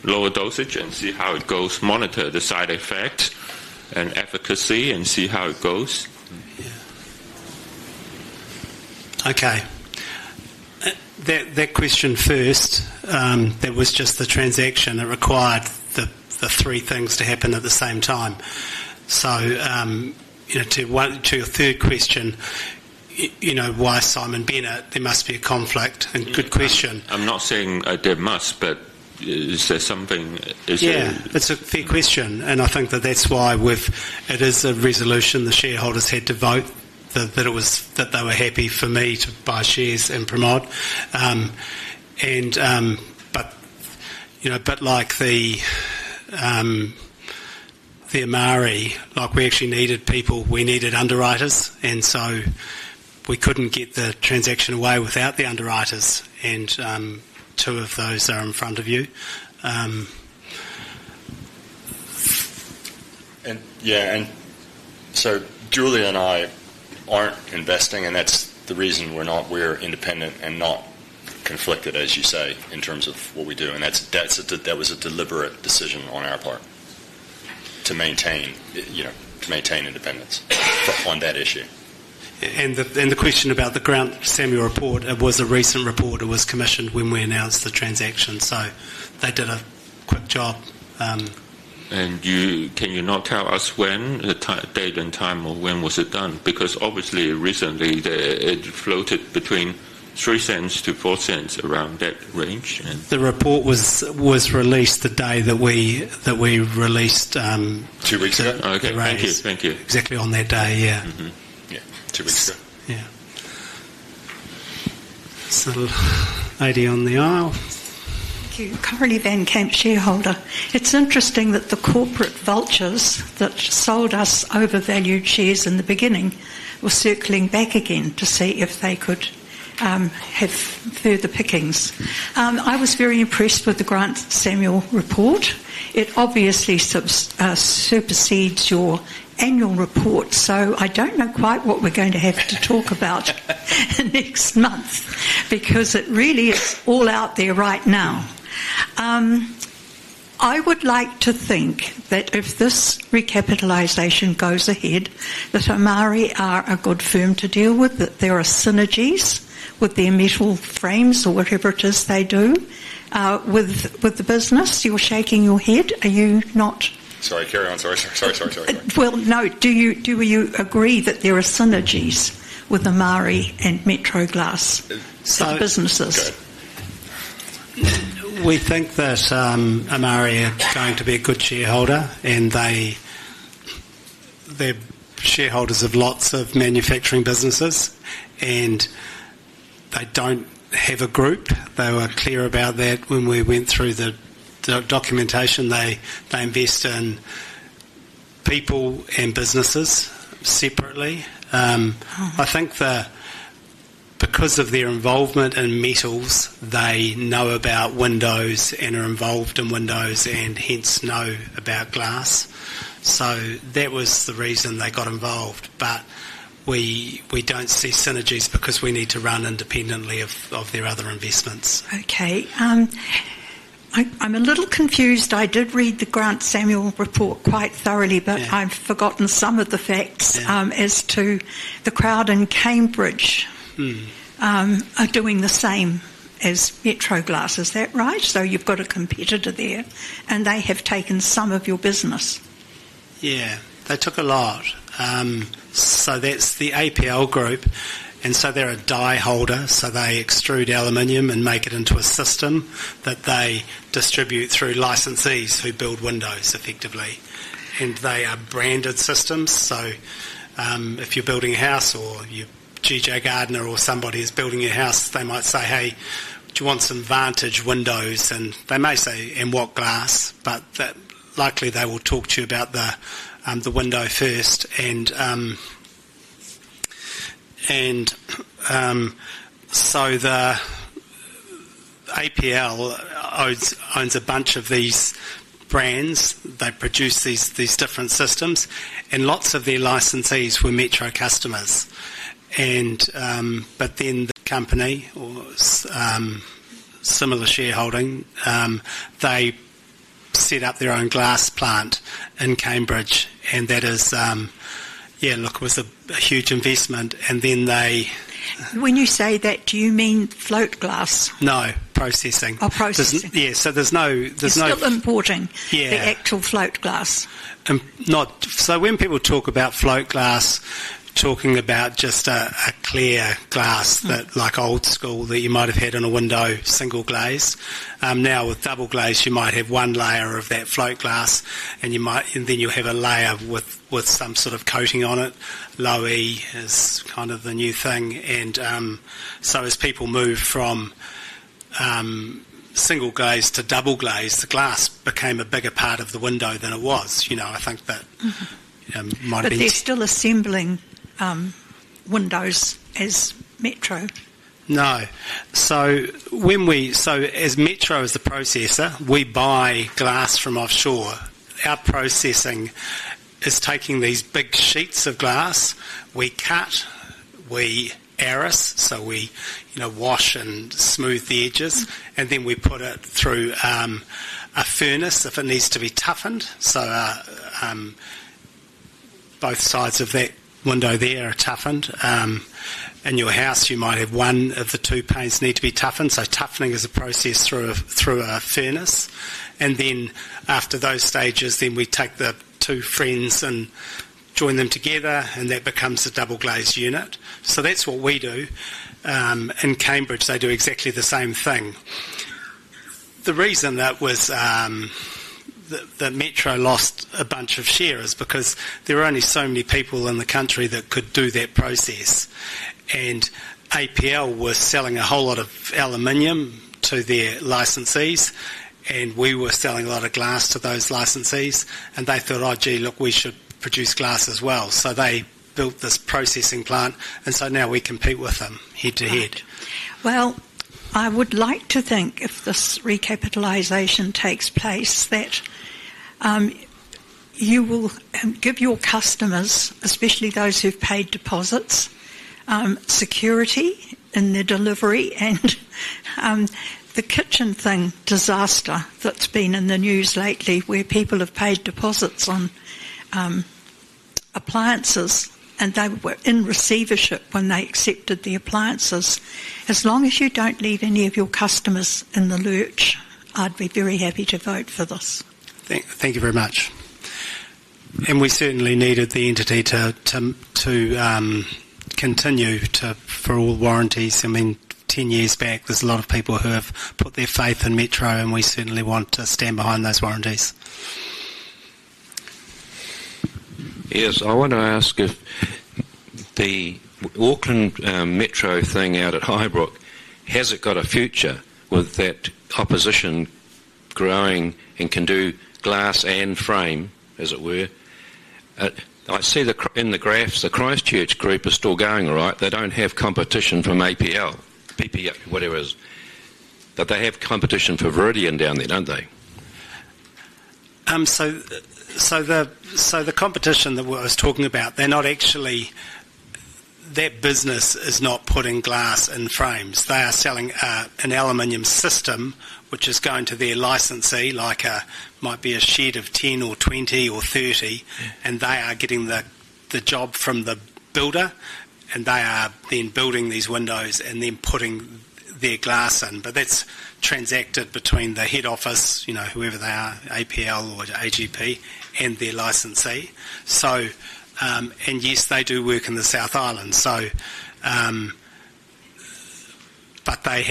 lower dosage, and see how it goes. Monitor the side effect and efficacy and see how it goes. Okay. That question first, that was just the transaction that required the three things to happen at the same time. To your third question, you know, why Simon Bennett? There must be a conflict. Good question. I'm not saying there must be, but is there something? Yeah, it's a fair question. I think that's why it is a resolution the shareholders had to vote, that they were happy for me to buy shares in Pramod. A bit like the Amari, we actually needed people, we needed underwriters. We couldn't get the transaction away without the underwriters, and two of those are in front of you. Julia and I aren't investing, and that's the reason we're not. We're independent and not conflicted, as you say, in terms of what we do. That was a deliberate decision on our part to maintain independence on that issue. The question about the Grant Samuel report was a recent report that was commissioned when we announced the transaction. They did a quick job. Can you not tell us the date and time or when it was done? Obviously, recently it floated between 0.03 to 0.04 around that range. The report was released the day that we released. Two weeks ago, okay. Thank you. Thank you. Exactly on that day, yeah. Yeah, two weeks ago. Yeah. It's a little lady on the aisle. You're currently then camp shareholder. It's interesting that the corporate vultures that sold us overvalued shares in the beginning were circling back again to see if they could have further pickings. I was very impressed with the Grant Samuel report. It obviously supersedes your annual report. I don't know quite what we're going to have to talk about next month because it really is all out there right now. I would like to think that if this recapitalization goes ahead, that Amari is a good firm to deal with, that there are synergies with their metal frames or whatever it is they do with the business. You're shaking your head. Are you not? Sorry, carry on. Do you agree that there are synergies with Amari and Metro Glass businesses? We think that Amari is going to be a good shareholder, and they're shareholders of lots of manufacturing businesses, and they don't have a group. They were clear about that when we went through the documentation. They invest in people and businesses separately. I think that because of their involvement in metals, they know about windows and are involved in windows and hence know about glass. That was the reason they got involved. We don't see synergies because we need to run independently of their other investments. Okay. I'm a little confused. I did read the Grant Samuel report quite thoroughly, but I've forgotten some of the facts as to the crowd in Cambridge are doing the same as Metro Glass. Is that right? You've got a competitor there, and they have taken some of your business. Yeah, they took a lot. That's the APL group, and they're a die holder. They extrude aluminium and make it into a system that they distribute through licensees who build windows effectively. They are branded systems. If you're building a house or your GJ Gardner or somebody is building your house, they might say, "Hey, do you want some Vantage windows?" They may say, "And what glass?" That likely they will talk to you about the window first. APL owns a bunch of these brands. They produce these different systems, and lots of their licensees were Metro customers. The company, or similar shareholding, set up their own glass plant in Cambridge. It was a huge investment, and then they. When you say that, do you mean float glass? No, processing. Oh, processing. Yeah, there's no. Still importing the actual float glass. When people talk about float glass, they're talking about just a clear glass, like old school, that you might have had in a window, single glaze. Now with double glaze, you might have one layer of that float glass, and then you'll have a layer with some sort of coating on it. Low E is kind of the new thing. As people move from single glaze to double glaze, the glass became a bigger part of the window than it was. I think that might be. Are they still assembling windows as Metro? No. As Metro is the processor, we buy glass from offshore. Our processing is taking these big sheets of glass, we cut, we aerosolize, we wash and smooth the edges. We put it through a furnace if it needs to be toughened. Both sides of that window there are toughened. In your house, you might have one of the two panes need to be toughened. Toughening is a process through a furnace. After those stages, we take the two frames and join them together, and that becomes a double-glazed unit. That's what we do. In Cambridge, they do exactly the same thing. The reason that Metro lost a bunch of shares is because there were only so many people in the country that could do that process. APL was selling a whole lot of aluminium to their licensees, and we were selling a lot of glass to those licensees. They thought, "Oh gee, look, we should produce glass as well." They built this processing plant. Now we compete with them head to head. I would like to think if this recapitalization takes place, that you will give your customers, especially those who've paid deposits, security in their delivery. The kitchen thing disaster that's been in the news lately, where people have paid deposits on appliances, and they were in receivership when they accepted the appliances. As long as you don't leave any of your customers in the loop, I'd be very happy to vote for this. Thank you very much. We certainly needed the entity to continue for all the warranties. I mean, 10 years back, there's a lot of people who have put their faith in Metro, and we certainly want to stand behind those warranties. Yes, I want to ask if the Auckland Metro thing out at Highbrook, has it got a future with that opposition growing and can do glass and frame, as it were? I see in the graphs, the Christchurch group is still going right. They don't have competition from APL, AGP, whatever it is. They have competition from Viridian down there, don't they? The competition that I was talking about, their business is not putting glass in frames. They are selling an aluminum system, which is going to their licensee, like it might be a shed of 10 or 20 or 30. They are getting the job from the builder, and they are then building these windows and then putting their glass in. That's transacted between the head office, you know, whoever they are, APL or AGP, and their licensee. Yes, they do work in the South Island. They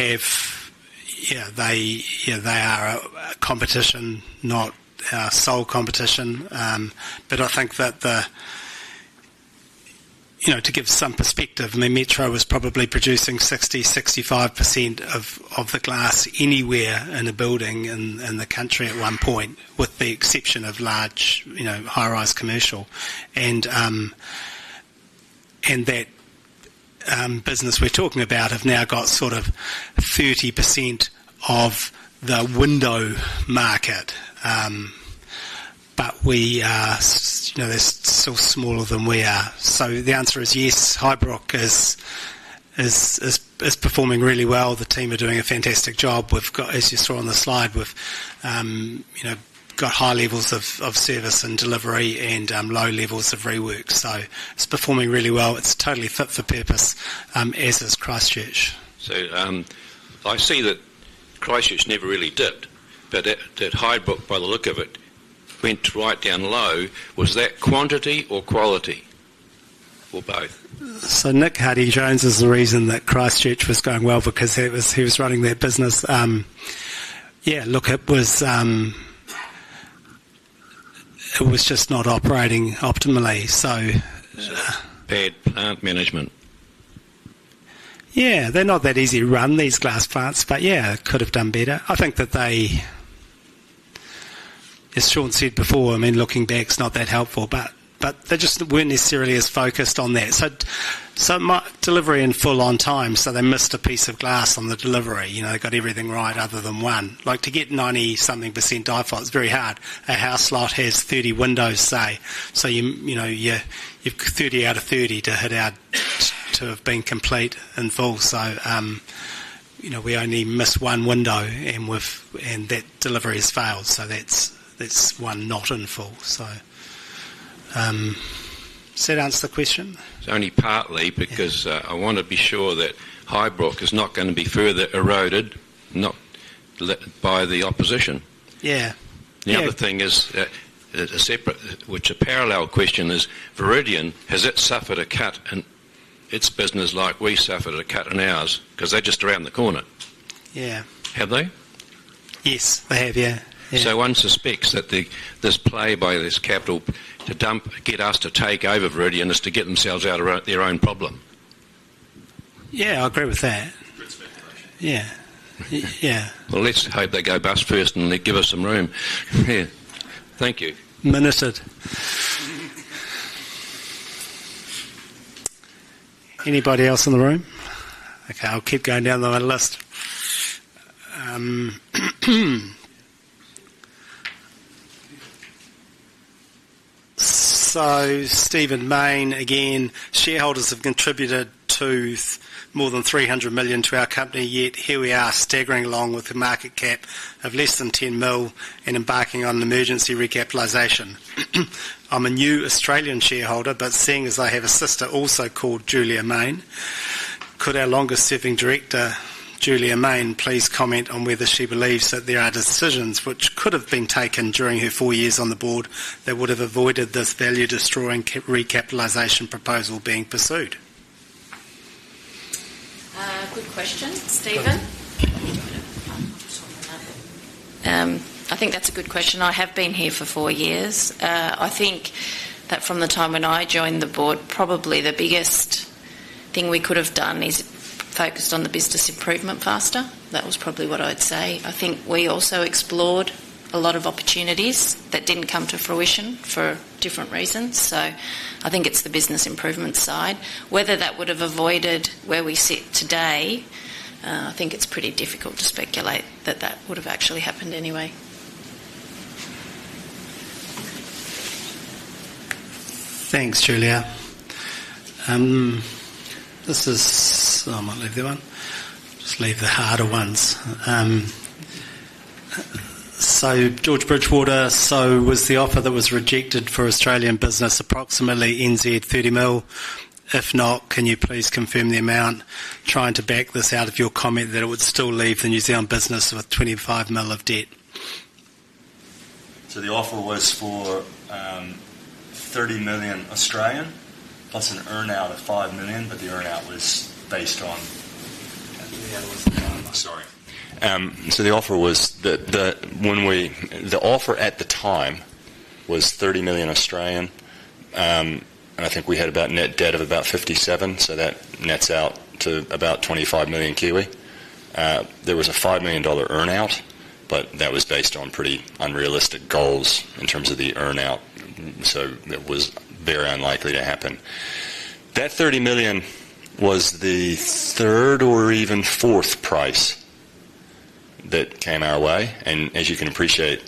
are a competition, not a sole competition. I think that, to give some perspective, Metro was probably producing 60%-65% of the glass anywhere in a building in the country at one point, with the exception of large high-rise commercial. That business we're talking about has now got sort of 30% of the window market. They're still smaller than we are. The answer is yes, Highbrook is performing really well. The team are doing a fantastic job. We've got, as you saw on the slide, high levels of service and delivery and low levels of rework. It's performing really well. It's totally fit for purpose, as is Christchurch. I see that Christchurch never really dipped, but at Highbrook, by the look of it, went right down low. Was that quantity or quality or both? Nick Hardy-Jones is the reason that Christchurch was going well because he was running their business. Yeah, look, it was just not operating optimally. Bad plant management. Yeah, they're not that easy to run, these glass plants, but yeah, it could have done better. I think that they, as Shawn said before, I mean, looking back, it's not that helpful, but they just weren't necessarily as focused on that. It might be delivery in full on time, so they missed a piece of glass on the delivery. They got everything right other than one. To get 90-something% DIFOT, it's very hard. A house lot has 30 windows, say, so you've 30 out of 30 to hit to have been complete in full. We only missed one window and that delivery has failed. That's one not in full. Does that answer the question? It's only partly because I want to be sure that Highbrook is not going to be further eroded by the opposition. Yeah. The other thing is a separate, which a parallel question is, Viridian, has it suffered a cut in its business like we suffered a cut in ours? Because they're just around the corner. Yeah. Have they? Yes, they have, yeah. One suspects that this play by this capital to get us to take over Viridian is to get themselves out of their own problem. Yeah, I agree with that. Yeah. Yeah. Let's hope they go bust first and give us some room. Yeah, thank you. Minuted. Anybody else in the room? Okay, I'll keep going down the list. Stephen Main again, shareholders have contributed more than 300 million to our company, yet here we are staggering along with a market cap of less than 10 million and embarking on an emergency recapitalization. I'm a new Australian shareholder, but seeing as I have a sister also called Julia Mayne, could our longest-serving director, Julia Mayne, please comment on whether she believes that there are decisions which could have been taken during her four years on the board that would have avoided this value-destroying recapitalization proposal being pursued? Quick question, Stephen. I think that's a good question. I have been here for four years. I think that from the time when I joined the board, probably the biggest thing we could have done is focused on the business improvement plaster. That was probably what I'd say. I think we also explored a lot of opportunities that didn't come to fruition for different reasons. I think it's the business improvement side. Whether that would have avoided where we sit today, I think it's pretty difficult to speculate that that would have actually happened anyway. Thanks, Julia. I might leave the harder ones. George Bridgewater, was the offer that was rejected for the Australian business approximately 30 million? If not, can you please confirm the amount? Trying to back this out of your comment that it would still leave the New Zealand business with 25 million of debt. The offer was for 30 million Australian plus an earnout of 5 million, but the earnout was based on, yeah, it was not done. The offer at the time was 30 million Australian, and I think we had about net debt of about 57 million, so that nets out to about 25 million Kiwi. There was a 5 million dollar earnout, but that was based on pretty unrealistic goals in terms of the earnout, so that was very unlikely to happen. That 30 million was the third or even fourth price that came our way, and as you can appreciate,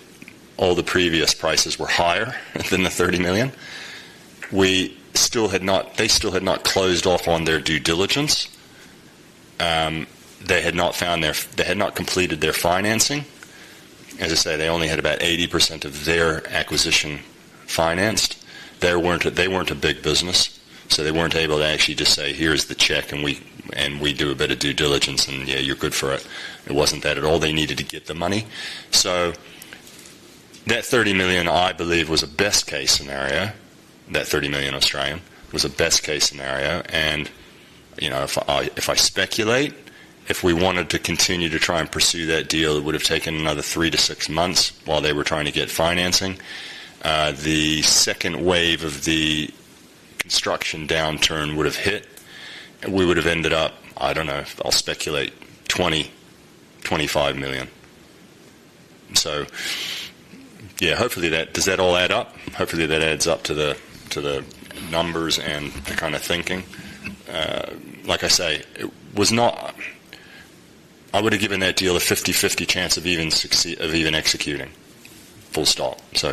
all the previous prices were higher than the 30 million. They still had not closed off on their due diligence. They had not completed their financing. They only had about 80% of their acquisition financed. They were not a big business, so they were not able to actually just say, "Here's the check, and we do a bit of due diligence, and yeah, you're good for it." It was not that at all. They needed to get the money. That 30 million, I believe, was a best-case scenario. That 30 million Australian was a best-case scenario. If I speculate, if we wanted to continue to try and pursue that deal, it would have taken another three to six months while they were trying to get financing. The second wave of the construction downturn would have hit, and we would have ended up, I do not know, I will speculate, 20 million, 25 million. Hopefully that, does that all add up? Hopefully that adds up to the numbers and the kind of thinking. Like I say, it was not, I would have given that deal a 50-50 chance of even executing, full stop. It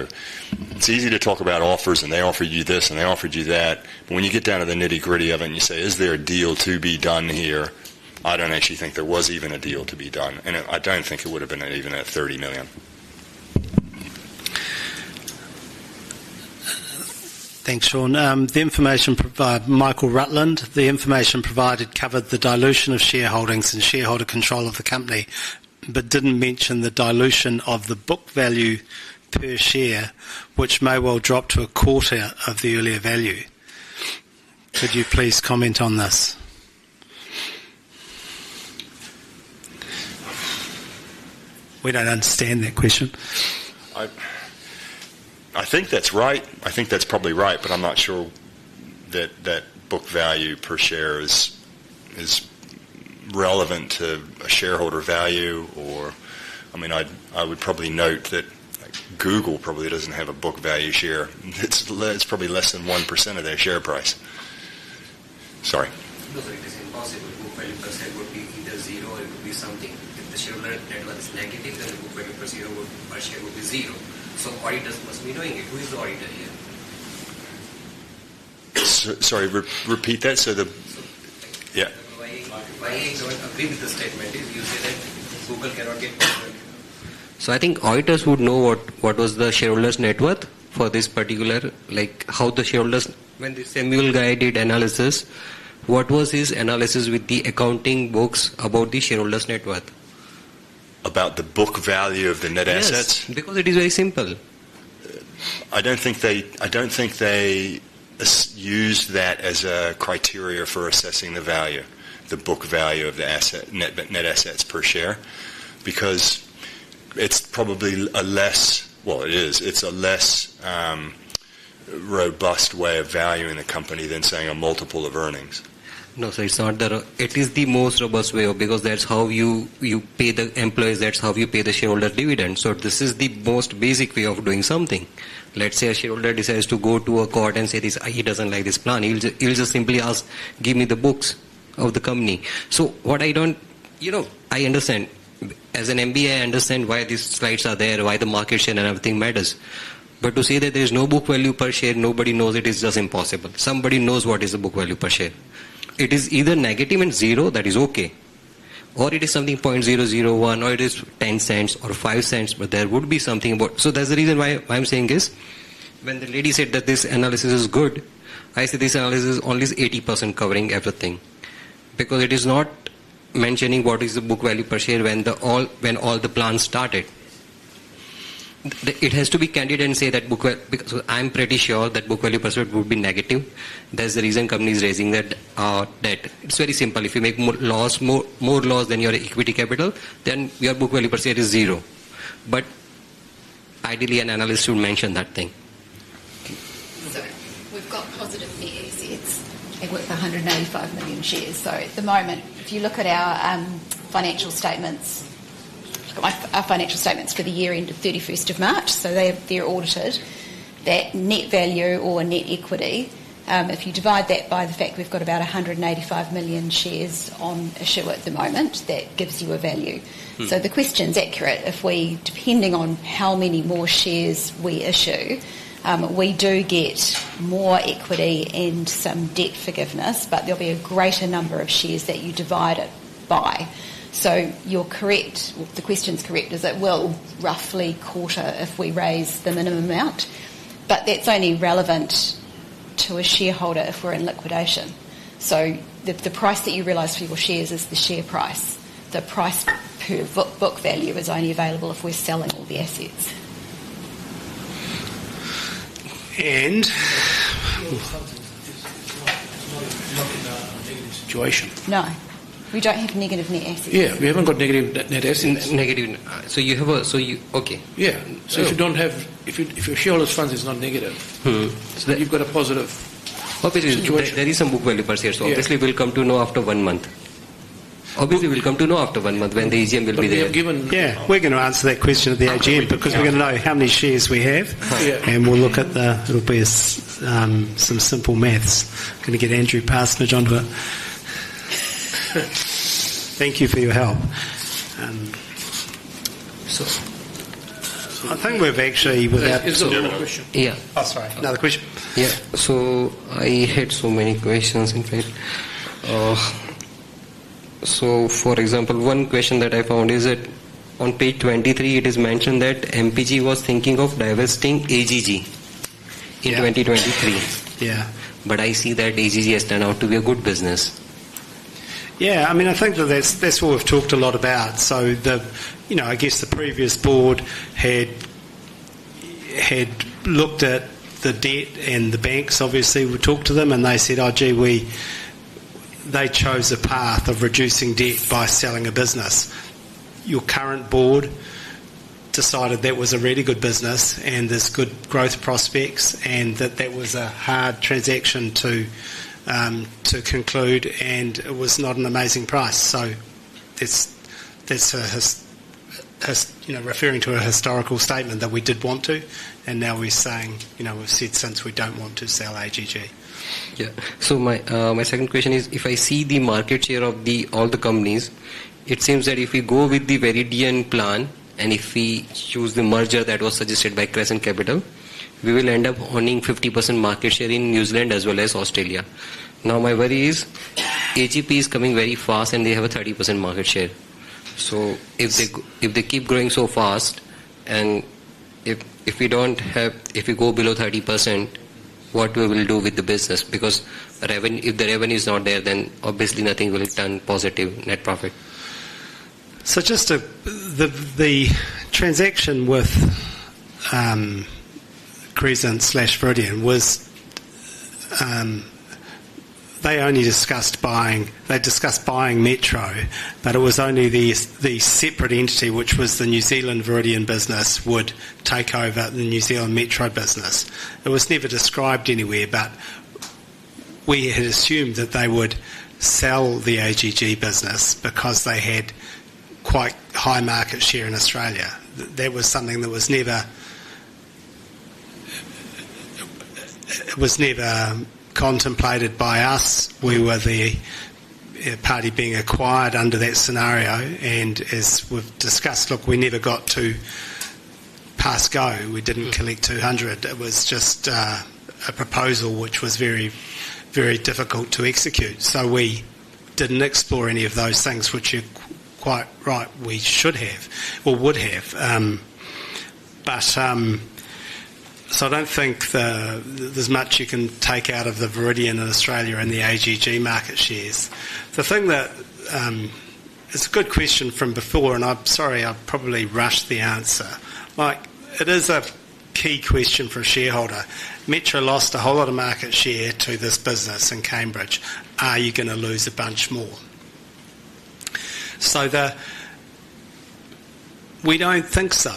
is easy to talk about offers, and they offered you this, and they offered you that. When you get down to the nitty-gritty of it and you say, "Is there a deal to be done here?" I do not actually think there was even a deal to be done, and I do not think it would have been even at 30 million. Thanks, Shawn. The information provided, Michael Rutland, the information provided covered the dilution of shareholdings and shareholder control of the company, but didn't mention the dilution of the book value per share, which may well drop to a quarter of the earlier value. Do you please comment on this? We don't understand that question. I think that's right. I think that's probably right, but I'm not sure that that book value per share is relevant to a shareholder value. I would probably note that Google probably doesn't have a book value per share. It's probably less than 1% of their share price. Sorry. Not really. I'll say what book value per share would be. Either zero and would be something. If the shareholder's negative, then the book value per share would be zero. I just must be knowing if we saw it there. Sorry, repeat that. Yeah. Market planning is our company, because technically, if you say that, Google cannot get that. I think auditors would know what was the shareholders' net worth for this particular, like how the shareholders, when the Grant Samuel guy did analysis, what was his analysis with the accounting books about the shareholders' net worth? About the book value of the net assets? Yes, because it is very simple. I don't think they use that as a criteria for assessing the value, the book value of the asset, net assets per share, because it's probably a less, well, it is, it's a less robust way of valuing the company than saying a multiple of earnings. No, it's not the, it is the most robust way of, because that's how you pay the employees, that's how you pay the shareholder dividend. This is the most basic way of doing something. Let's say a shareholder decides to go to a court and say this, he doesn't like this plan, he'll just simply ask, "Give me the books of the company." I understand, as an MBA, I understand why these rights are there, why the market share and everything matters. To say that there's no book value per share, nobody knows it, it's just impossible. Somebody knows what is the book value per share. It is either negative and zero, that is okay. Or it is something 0.001, or it is 0.10 or 0.05, but there would be something about, that's the reason why I'm saying this. When the lady said that this analysis is good, I said this analysis is only 80% covering everything. It is not mentioning what is the book value per share when all the plans started. It has to be candid and say that book, because I'm pretty sure that book value per share would be negative. That's the reason companies are raising that. It's very simple. If you make more laws, more laws than your equity capital, then your book value per share is zero. Ideally, an analyst should mention that thing. We've got positive CACs. It worked 195 million shares. At the moment, if you look at our financial statements, our financial statements for the year end of 31st of March, they're audited. That net value or net equity, if you divide that by the fact we've got about 185 million shares on issue at the moment, that gives you a value. The question's accurate. Depending on how many more shares we issue, we do get more equity and some debt forgiveness, but there'll be a greater number of shares that you divide it by. You're correct, the question's correct, it will roughly quarter if we raise the minimum amount, but that's only relevant to a shareholder if we're in liquidation. The price that you realize for your shares is the share price. The price per book value is only available if we're selling all the assets. You know, what lock in the negative situation? No, we don't have negative net assets. Yeah, we haven't got negative net assets. So if your shareholders' fund is not negative, you've got a positive. Hopefully, there is some book value per share. Obviously, we'll come to know after one month when the AGM will be there. Yeah, we're going to answer that question at the AGM because we're going to know how many shares we have. Yeah, and we'll look at the rupees, some simple maths. Going to get Andrew Paterson, John, thank you for your help. I think we've actually, without. Is there another question? Yeah. Oh, sorry. Another question? Yeah. I had so many questions, in fact. For example, one question that I found is that on page 23, it is mentioned that MPG was thinking of divesting AGG in 2023. I see that AGG has turned out to be a good business. Yeah, I mean, I think that that's what we've talked a lot about. The previous board had looked at the debt and the banks, obviously, we talked to them and they said, "Oh gee, they chose a path of reducing debt by selling a business." Your current board decided that was a really good business and there's good growth prospects and that that was a hard transaction to conclude and it was not an amazing price. That's referring to a historical statement that we did want to and now we're saying, you know, we've said since we don't want to sell AGG. Yeah, so my second question is if I see the market share of all the companies, it seems that if we go with the very DN plan and if we choose the merger that was suggested by Crescent Capital, we will end up owning 50% market share in New Zealand as well as Australia. Now my worry is AGP is coming very fast and they have a 30% market share. If they keep growing so fast and if we don't have, if we go below 30%, what will we do with the business? Because if the revenue is not there, then obviously nothing will turn positive net profit. The transaction with Crescent slash Viridian was they only discussed buying, they discussed buying Metro, but it was only the separate entity, which was the New Zealand Viridian business, would take over the New Zealand Metro business. It was never described anywhere, but we had assumed that they would sell the AGG business because they had quite high market share in Australia. That was something that was never contemplated by us. We were the party being acquired under that scenario. As we've discussed, look, we never got to pass go. We didn't collect 200 million. It was just a proposal which was very, very difficult to execute. We didn't explore any of those things, which you're quite right, we should have or would have. I don't think there's much you can take out of the Viridian in Australia and the Australian Glass Group market shares. It's a good question from before, and I'm sorry, I'll probably rush the answer. Mike, it is a key question for a shareholder. Metro lost a whole lot of market share to this business in Cambridge. Are you going to lose a bunch more? We don't think so.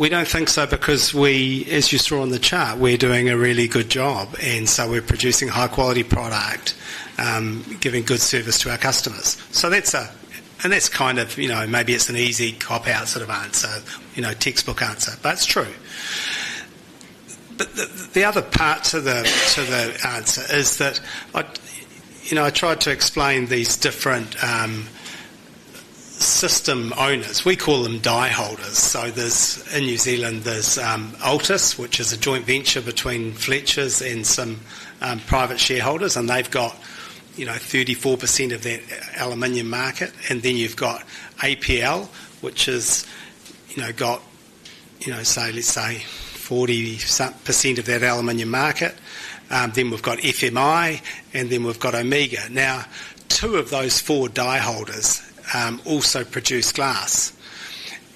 We don't think so because we, as you saw on the chart, we're doing a really good job. We're producing a high-quality product, giving good service to our customers. That's a, and that's kind of, you know, maybe it's an easy cop-out sort of answer, you know, textbook answer, but it's true. The other part to the sort of the answer is that, you know, I tried to explain these different system owners. We call them dieholders. In New Zealand, there's Altus, which is a joint venture between Fletchers and some private shareholders. They've got, you know, 34% of their aluminium market. Then you've got APL, which is, you know, got, you know, say, let's say 40% of that aluminium market. Then we've got FMI, and then we've got Omega. Now, two of those four dieholders also produce glass.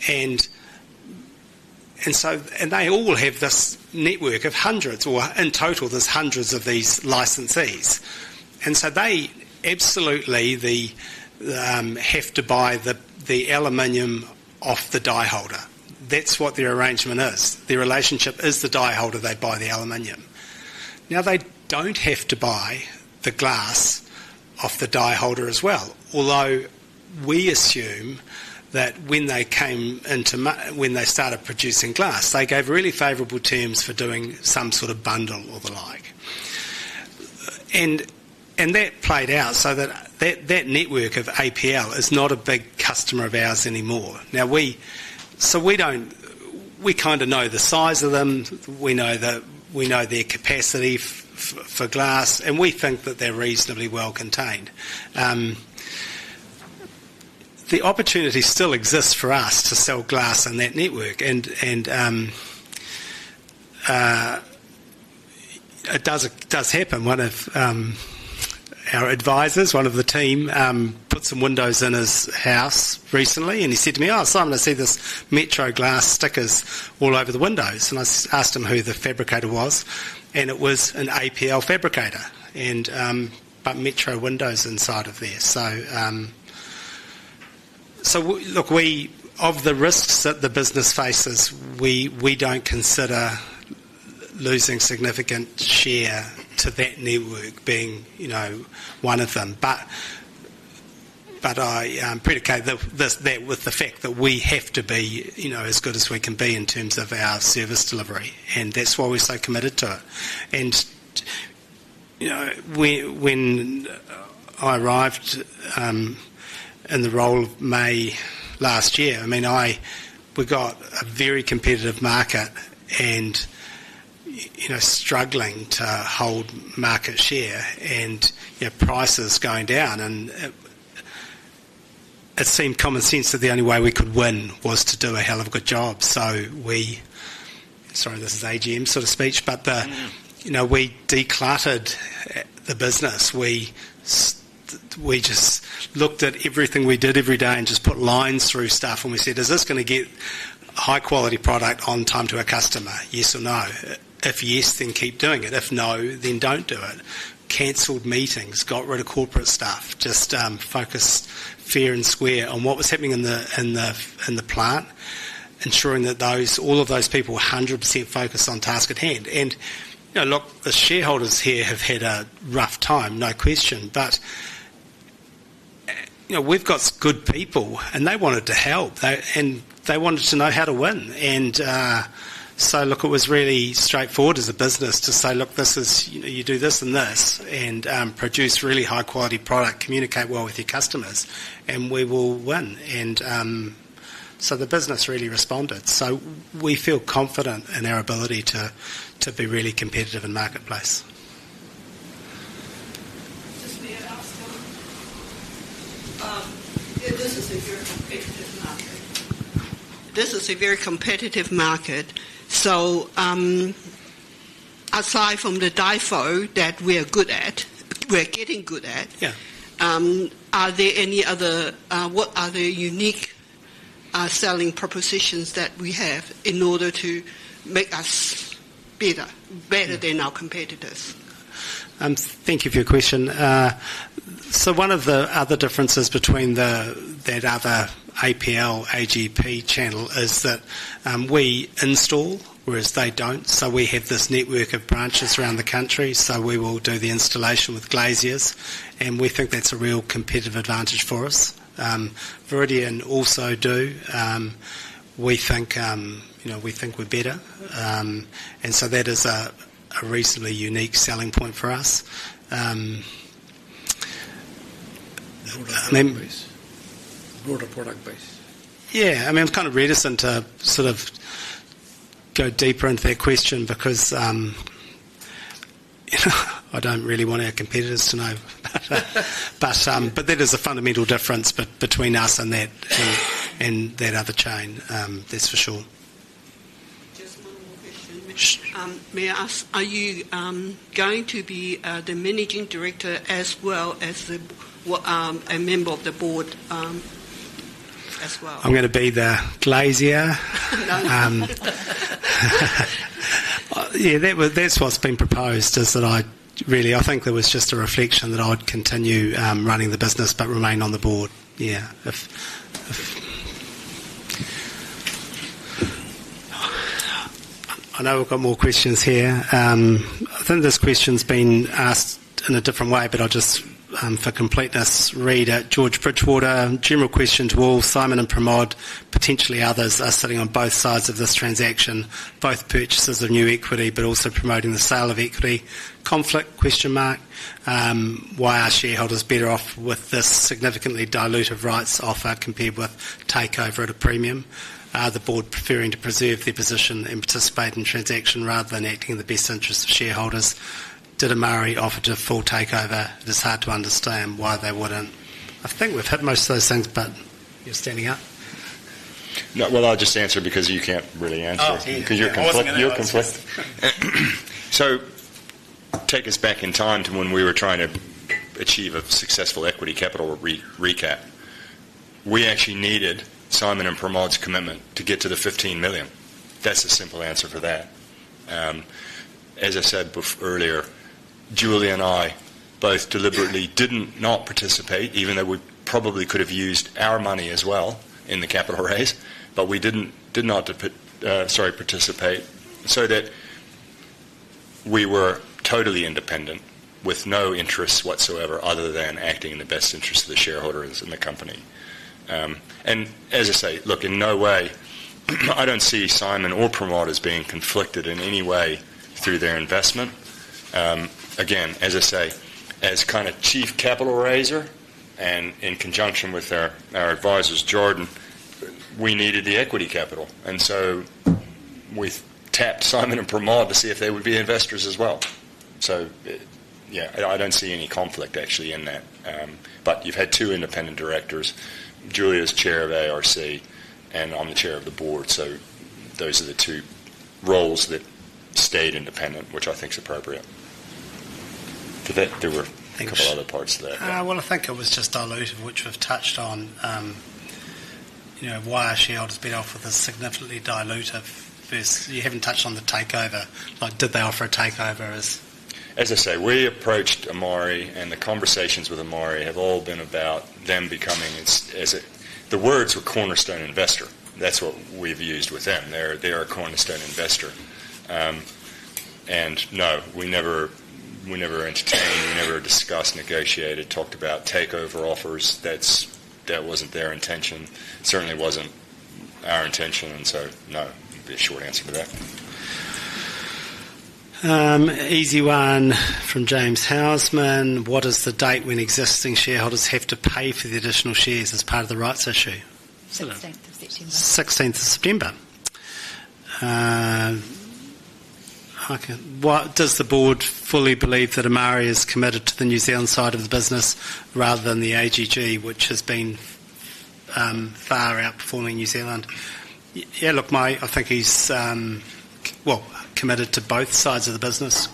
They all have this network of hundreds, or in total, there's hundreds of these licensees. They absolutely have to buy the aluminium off the dieholder. That's what the arrangement is. The relationship is the dieholder, they buy the aluminium. They don't have to buy the glass off the dieholder as well. Although we assume that when they came into, when they started producing glass, they gave really favorable terms for doing some sort of bundle or the like. That played out so that that network of APL is not a big customer of ours anymore. We kind of know the size of them. We know their capacity for glass, and we think that they're reasonably well contained. The opportunity still exists for us to sell glass in that network, and it does happen. One of our advisors, one of the team, put some windows in his house recently, and he said to me, "Oh, I suddenly see these Metro glass stickers all over the windows." I asked him who the fabricator was, and it was an APL fabricator, but Metro windows inside of there. Of the risks that the business faces, we don't consider losing significant share to that network being one of them. I predicate that with the fact that we have to be as good as we can be in terms of our service delivery. That's why we're so committed to it. When I arrived in the role in May last year, we had a very competitive market and were struggling to hold market share and prices going down. It seemed common sense that the only way we could win was to do a hell of a good job. Sorry, this is AGM sort of speech, but we decluttered the business. We just looked at everything we did every day and just put lines through stuff. We said, "Is this going to get a high-quality product on time to our customer? Yes or no? If yes, then keep doing it. If no, then don't do it." Canceled meetings, got rid of corporate stuff, just focused fair and square on what was happening in the plant, ensuring that all of those people were 100% focused on the task at hand. The shareholders here have had a rough time, no question. We've got good people, and they wanted to help, and they wanted to know how to win. It was really straightforward as a business to say, "Look, you do this and this and produce really high-quality product, communicate well with your customers, and we will win." The business really responded. We feel confident in our ability to be really competitive in the marketplace. This is a very competitive market. This is a very competitive market. Aside from the DIFOT that we are good at, we're getting good at, are there any other, what are the unique selling propositions that we have in order to make us better, better than our competitors? Thank you for your question. One of the other differences between that other APL/AGP channel is that we install, whereas they don't. We have this network of branches around the country, so we will do the installation with glaziers, and we think that's a real competitive advantage for us. Viridian also do. We think, you know, we think we're better, and that is a reasonably unique selling point for us. Broader product base. I'm kind of reticent to sort of go deeper into that question because I don't really want our competitors to know. That is a fundamental difference between us and that other chain, that's for sure. Just one more question. May I ask, are you going to be the Managing Director as well as a member of the board as well? I'm going to be the Glazias. Yeah, that's what's been proposed is that I really, I think there was just a reflection that I would continue running the business but remain on the board. Yeah, if I know we've got more questions here. I think this question's been asked in a different way, but I'll just, for completeness, read it. George Bridgewater, general question to all Simon and Pramod, potentially others are sitting on both sides of this transaction, both purchases of new equity, but also promoting the sale of equity. Conflict? Why are shareholders better off with this significantly diluted rights offer compared with takeover at a premium? Are the board preferring to preserve their position and participate in the transaction rather than acting in the best interests of shareholders? Did Amari offer to full takeover? It is hard to understand why they wouldn't. I think we've hit most of those things, but you're standing up. No, I'll just answer it because you can't really answer it because you're conflicted. Take us back in time to when we were trying to achieve a successful equity capital recap. We actually needed Simon and Pramod's commitment to get to the 15 million. That's the simple answer for that. As I said earlier, Julia and I both deliberately did not participate, even though we probably could have used our money as well in the capital raise, but we did not participate so that we were totally independent with no interests whatsoever other than acting in the best interests of the shareholders and the company. As I say, in no way, I don't see Simon or Pramod as being conflicted in any way through their investment. Again, as I say, as kind of Chief Capital Raiser and in conjunction with our advisors, Jordan, we needed the equity capital. We've tapped Simon and Pramod to see if they would be investors as well. I don't see any conflict actually in that. You've had two independent directors. Julia's Chair of ARC and I'm the Chair of the Board. Those are the two roles that stayed independent, which I think is appropriate. Do you think there were a couple of other parts of that? I think it was just dilutive, which we've touched on. You know, why our shareholders have been offered a significantly diluted versus you haven't touched on the takeover. Did they offer a takeover? As I say, we approached Amari and the conversations with Amari have all been about them becoming, as the words were, cornerstone investor. That's what we've used with them. They're a cornerstone investor. No, we never entertained, never discussed, negotiated, talked about takeover offers. That wasn't their intention. Certainly wasn't our intention. No, it'd be a short answer to that. Easy one from James Houseman. What is the date when existing shareholders have to pay for the additional shares as part of the rights issue? 16th of September. 16th of September. What does the board fully believe that Amari is committed to the New Zealand side of the business rather than the AGG, which has been far outperforming New Zealand? I think he's committed to both sides of the business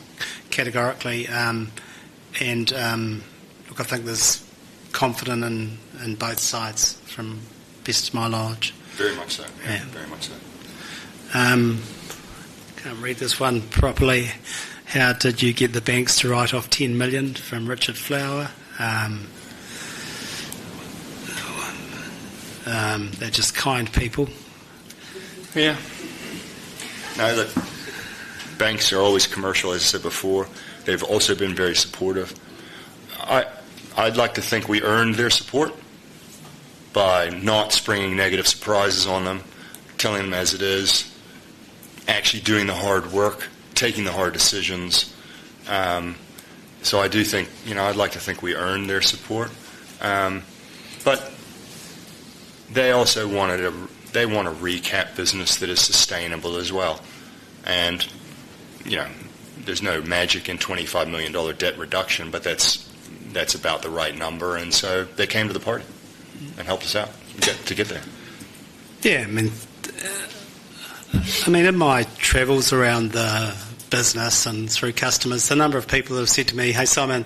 categorically. I think there's confidence in both sides from best of my knowledge. Very much so. Can't read this one properly. How did you get the banks to write off 10 million from Richard Flower? They're just kind people. Yeah. No, the banks are always commercial, as I said before. They've also been very supportive. I'd like to think we earned their support by not springing negative surprises on them, telling them as it is, actually doing the hard work, taking the hard decisions. I do think, you know, I'd like to think we earned their support. They also wanted a recap business that is sustainable as well. There's no magic in 25 million dollar debt reduction, but that's about the right number. They came to the party and helped us out to get there. Yeah, I mean, in my travels around the business and through customers, the number of people who have said to me, "Hey Simon,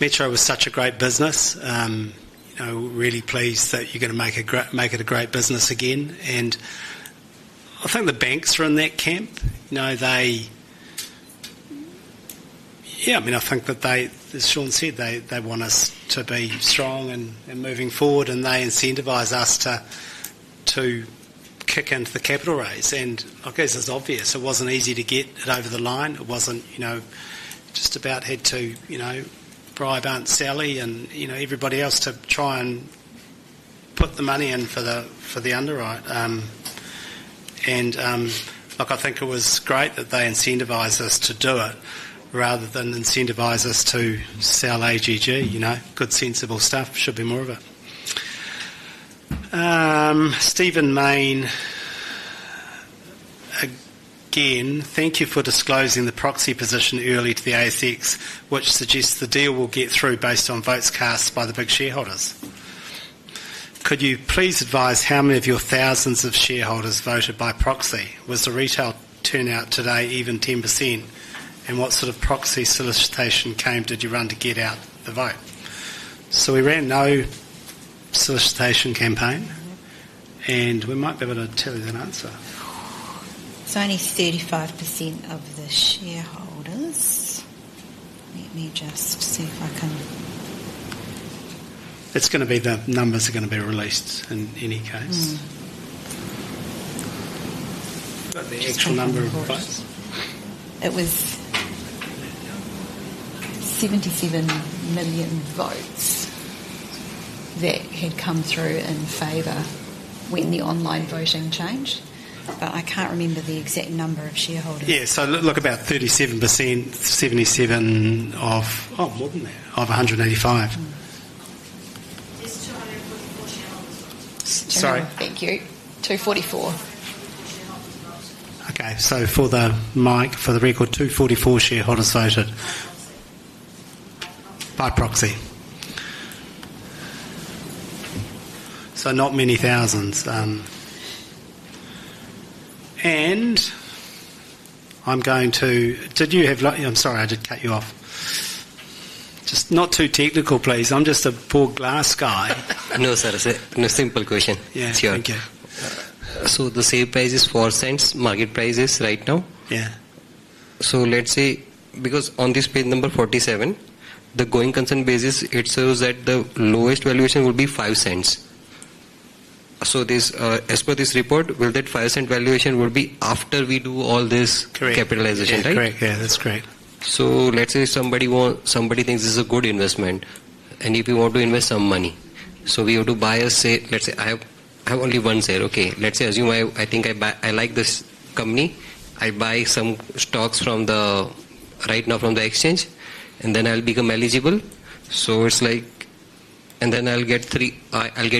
Metro was such a great business. I'm really pleased that you're going to make it a great business again." I think the banks are in that camp. They, yeah, I think that they, as Shawn said, they want us to be strong and moving forward, and they incentivize us to kick into the capital raise. I guess it's obvious, it wasn't easy to get it over the line. It wasn't, you know, just about had to, you know, bribe Aunt Sally and, you know, everybody else to try and put the money in for the underwrite. I think it was great that they incentivized us to do it rather than incentivize us to sell AGG. Good sensible stuff, should be more of it. Stephen Mayne, again, thank you for disclosing the proxy position early to the ASX, which suggests the deal will get through based on votes cast by the big shareholders. Could you please advise how many of your thousands of shareholders voted by proxy? Was the retail turnout today even 10%? What sort of proxy solicitation camp did you run to get out the vote? We ran no solicitation campaign, and we might be able to tell you that answer. Only 35% of the shareholders. Let me just see if I can. It's going to be the numbers are going to be released in any case, but the actual number of votes. It was 77 million votes that had come through in favor when the online voting changed, but I can't remember the exact number of shareholders. Yeah, about 37%, 77 of, oh, wasn't that of 185. Sorry, thank you. 244. Okay, for the record, 244 shareholders voted by proxy. Not many thousands. Did you have—I'm sorry, I did cut you off. Just not too technical, please. I'm just a poor glass guy. I'm going to start a simple question. Yeah, sure. The sale price is 0.04. Market price is right now. Yeah. Let's say, because on this page number 47, the going concern basis, it shows that the lowest valuation would be 0.05. As per this report, will that 0.05 valuation be after we do all this capitalization, right? Correct. Yeah, that's correct. Let's say somebody thinks this is a good investment and you want to invest some money, you have to buy a sale. Let's say I have only one sale. I assume I think I buy, I like this company. I buy some stocks right now from the exchange and then I'll become eligible. It's like, and then I'll get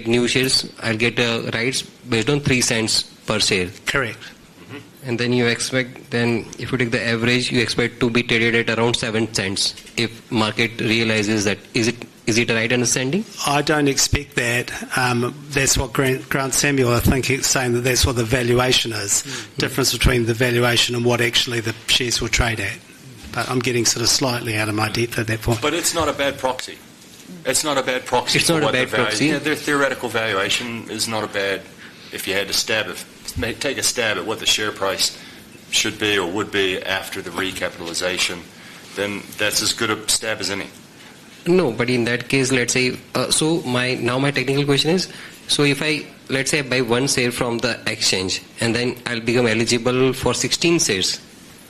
new shares, I'll get a right based on 0.03 per sale. Correct. You expect, if you take the average, you expect to be traded at around 0.07 if market realizes that. Is it a right understanding? I don't expect that. That's what Grant Samuel, I think he's saying that that's what the valuation is, the difference between the valuation and what actually the shares will trade at. I'm getting sort of slightly out of my depth at that point. It's not a bad proxy. It's not a bad proxy. It's not a bad proxy. Yeah, their theoretical valuation is not bad. If you had to take a stab at what the share price should be or would be after the recapitalization, then that's as good a stab as any. In that case, let's say my technical question is, if I buy one sale from the exchange, then I'll become eligible for 16 sales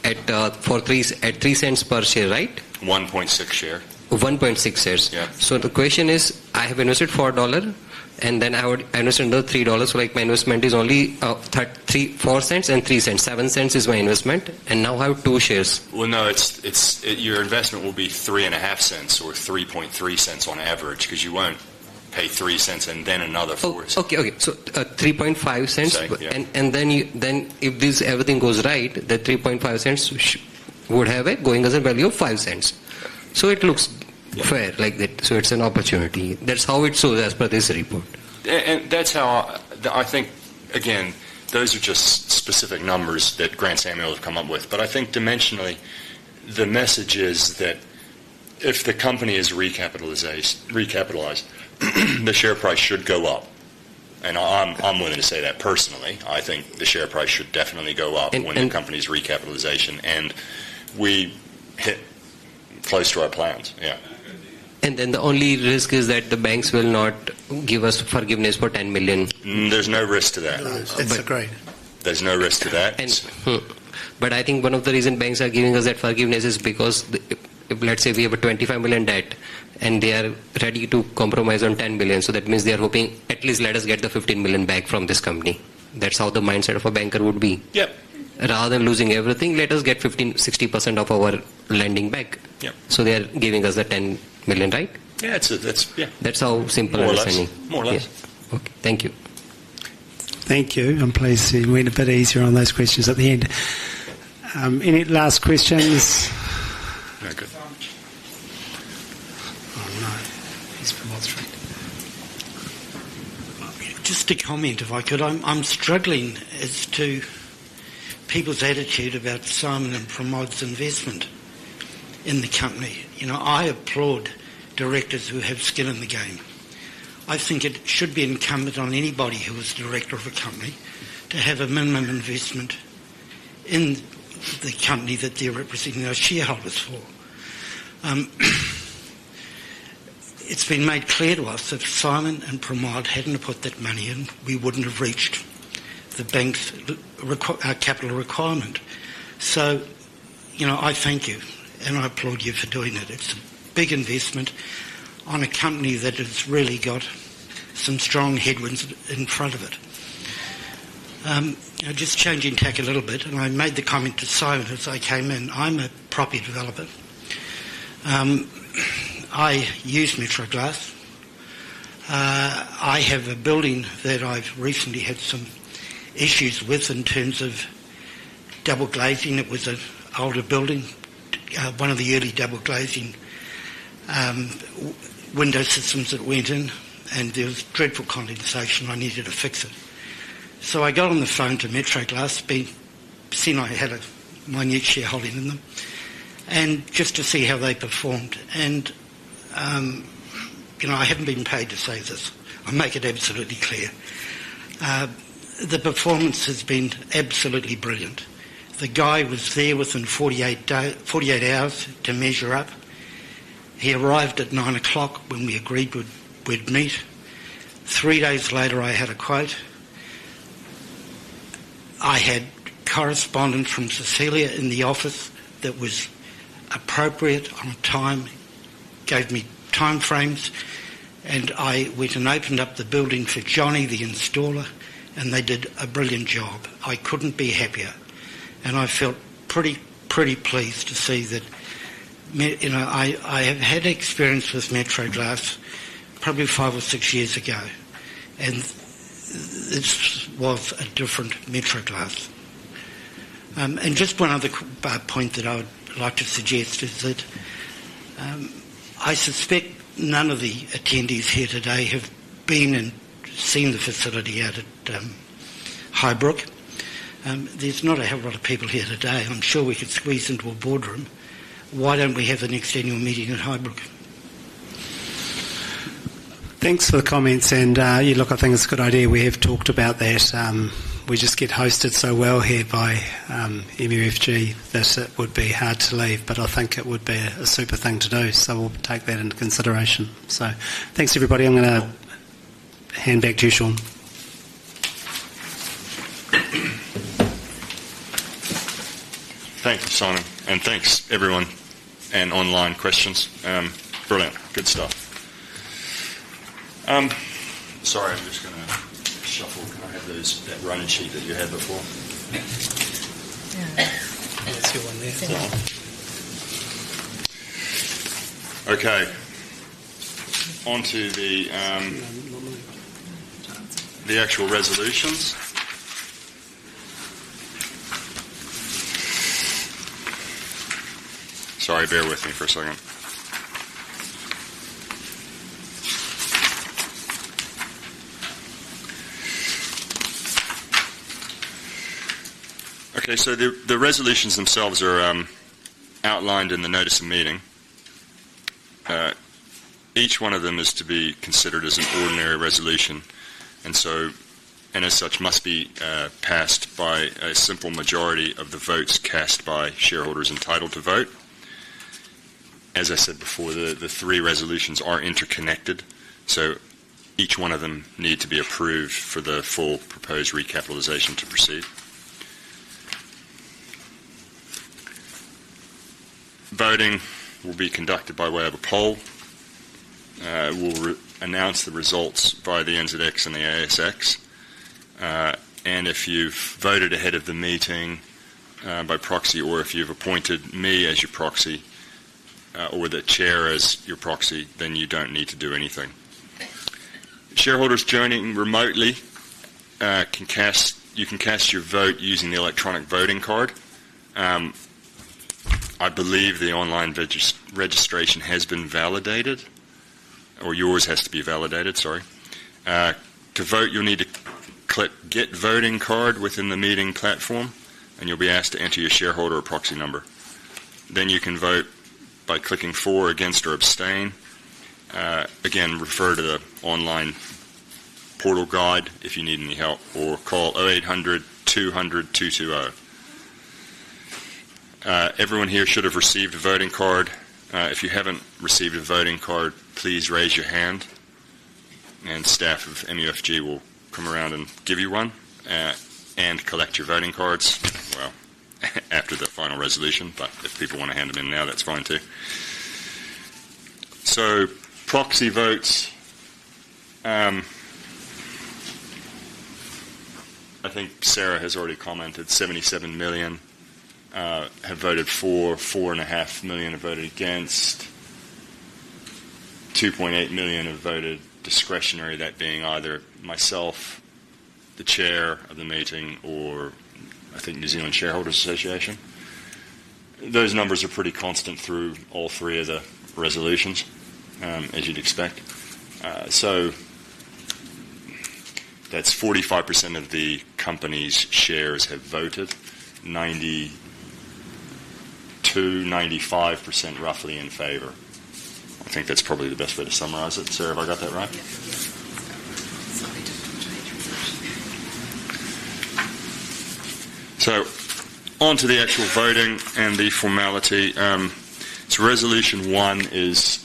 at 0.03 per share, right? 1.6 share. 1.6 shares. Yeah. The question is, I have invested 4 dollar and then I would invest another 3 dollars. My investment is only 0.04 and 0.03. 0.07 is my investment, and now I have two shares. Your investment will be 0.035 or 0.033 on average because you won't pay 0.03 and then another 0.04. Okay, okay. 0.035. If everything goes right, the 0.035 would have a value of 0.05. It looks fair like that. It's an opportunity. That's how it shows as per this report. I think, again, those are just specific numbers that Grant Samuel has come up with. I think dimensionally, the message is that if the company is recapitalized, the share price should go up. I'm willing to say that personally, I think the share price should definitely go up when the company's recapitalization and we hit close to our plans. Yeah. The only risk is that the banks will not give us forgiveness for 10 million. There's no risk to that. That's right. There's no risk to that. I think one of the reasons banks are giving us that forgiveness is because if, let's say, we have a 25 million debt and they are ready to compromise on 10 million, that means they are hoping at least let us get the 15 million back from this company. That's how the mindset of a banker would be. Yeah. Rather than losing everything, let us get 15%, 60% of our lending back. Yeah. They are giving us the 10 million, right? Yeah, that's it. Yeah, that's how simple I'm saying. More or less. Okay, thank you. Thank you. I'm pleased that we had it a bit easier on those questions at the end. Any last questions? Very good. I'm not. He's from Oxford. Just a comment if I could. I'm struggling as to people's attitude about Simon and Pramod's investment in the company. I applaud directors who have skin in the game. I think it should be incumbent on anybody who is director of a company to have a minimum investment in the company that they're representing their shareholders for. It's been made clear to us if Simon and Pramod hadn't put that money in, we wouldn't have reached the banks' capital requirement. I thank you and I applaud you for doing that. It's a big investment on a company that has really got some strong headwinds in front of it. Just changing tack a little bit, and I made the comment to Simon as I came in. I'm a property developer. I use Metro Performance Glass. I have a building that I've recently had some issues with in terms of double glazing. It was an older building, one of the early double glazing window systems that went in, and there was dreadful condensation. I needed to fix it. I got on the phone to Metro Performance Glass, seeing I had my next shareholder in them, just to see how they performed. I haven't been paid to say this. I make it absolutely clear. The performance has been absolutely brilliant. The guy was there within 48 hours to measure up. He arrived at 9:00 A.M. when we agreed we'd meet. Three days later, I had a quote. I had correspondence from Cecilia in the office that was appropriate on a time, gave me timeframes, and I went and opened up the building for Johnny, the installer, and they did a brilliant job. I couldn't be happier. I felt pretty, pretty pleased to see that I have had experience with Metro Glass probably five or six years ago, and this was a different Metro Glass. Just one other point that I would like to suggest is that I suspect none of the attendees here today have been and seen the facility out at Highbrook. There's not a hell of a lot of people here today. I'm sure we could squeeze into a boardroom. Why don't we have the next annual meeting at Highbrook? Thanks for the comments. I think it's a good idea. We have talked about that. We just get hosted so well here by MUFG that it would be hard to leave, but I think it would be a super thing to do. We'll take that into consideration. Thanks everybody. I'm going to hand back to you, Shawn. Thank you, Simon, and thanks everyone and online questions. Brilliant. Good stuff. Sorry, I'm just going to shuffle. Can I have that running sheet that you had before? Yes, you're on there. Okay. Onto the actual resolutions. Sorry, bear with me for a second. Okay, the resolutions themselves are outlined in the notice of meeting. Each one of them is to be considered as an ordinary resolution, and as such, must be passed by a simple majority of the votes cast by shareholders entitled to vote. As I said before, the three resolutions are interconnected, so each one of them needs to be approved for the full proposed recapitalization to proceed. Voting will be conducted by way of a poll. We'll announce the results by the NZX and the ASX. If you voted ahead of the meeting by proxy, or if you've appointed me as your proxy, or the Chair as your proxy, then you don't need to do anything. Shareholders joining remotely, you can cast your vote using the electronic voting card. I believe the online registration has been validated, or yours has to be validated, sorry. To vote, you'll need to click get voting card within the meeting platform, and you'll be asked to enter your shareholder or proxy number. You can vote by clicking for, against, or abstain. Again, refer to the online portal guide if you need any help, or call 0800 200 220. Everyone here should have received a voting card. If you haven't received a voting card, please raise your hand, and staff of MUFG will come around and give you one and collect your voting cards after the final resolution. If people want to hand them in now, that's fine too. Proxy votes, I think Sarah has already commented, 77 million have voted for, 4.5 million have voted against, 2.8 million have voted discretionary, that being either myself, the Chair of the meeting, or I think New Zealand Shareholders Association. Those numbers are pretty constant through all three of the resolutions, as you'd expect. That's 45% of the company's shares have voted, 92%-95% roughly in favor. I think that's probably the best way to summarize it, Sarah, if I got that right. Yeah, that really was slightly different to each of them. Onto the actual voting and the formality. Resolution one is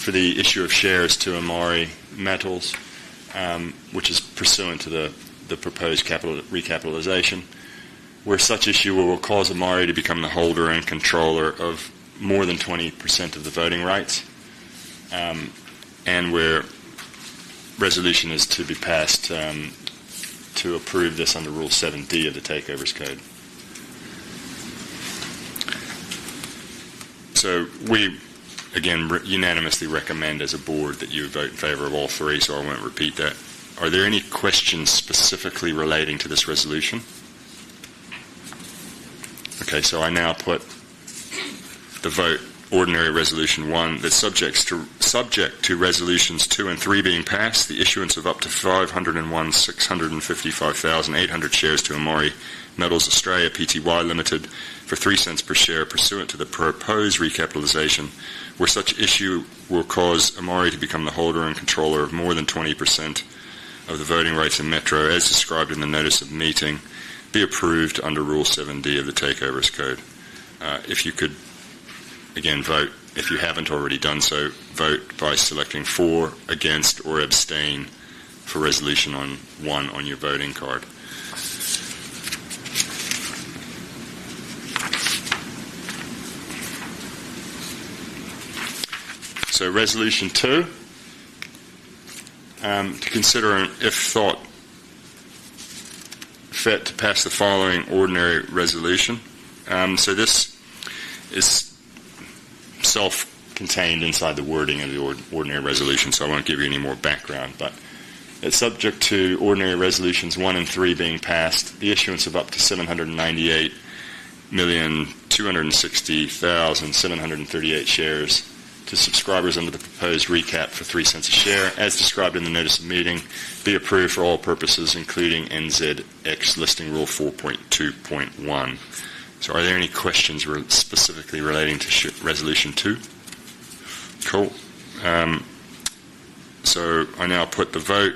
for the issue of shares to Amari Metals, which is pursuant to the proposed capital recapitalization, where such issue will cause Amari to become the holder and controller of more than 20% of the voting rights, and where resolution is to be passed to approve this under rule 7D of the Takeovers Code. We again unanimously recommend as a board that you vote in favor of all three, so I won't repeat that. Are there any questions specifically relating to this resolution? Okay, I now put the vote, ordinary resolution one. Subject to resolutions two and three being passed, the issuance of up to 501,655,800 shares to Amari Metals Australia Pty Ltd for 0.03 per share pursuant to the proposed recapitalization, where such issue will cause Amari to become the holder and controller of more than 20% of the voting rights in Metro Performance Glass Limited, as described in the notice of meeting, be approved under rule 7D of the Takeovers Code. If you could again vote, if you haven't already done so, vote by selecting for, against, or abstain for resolution one on your voting card. Resolution two, to consider and if thought fit to pass the following ordinary resolution. This is self-contained inside the wording of the ordinary resolution, so I won't give you any more background, but it's subject to ordinary resolutions one and three being passed, the issuance of up to 798,260,738 shares to subscribers under the proposed recap for 0.03 a share, as described in the notice of meeting, be approved for all purposes, including NZX listing rule 4.2.1. Are there any questions specifically relating to resolution two? Cool. I now put the vote,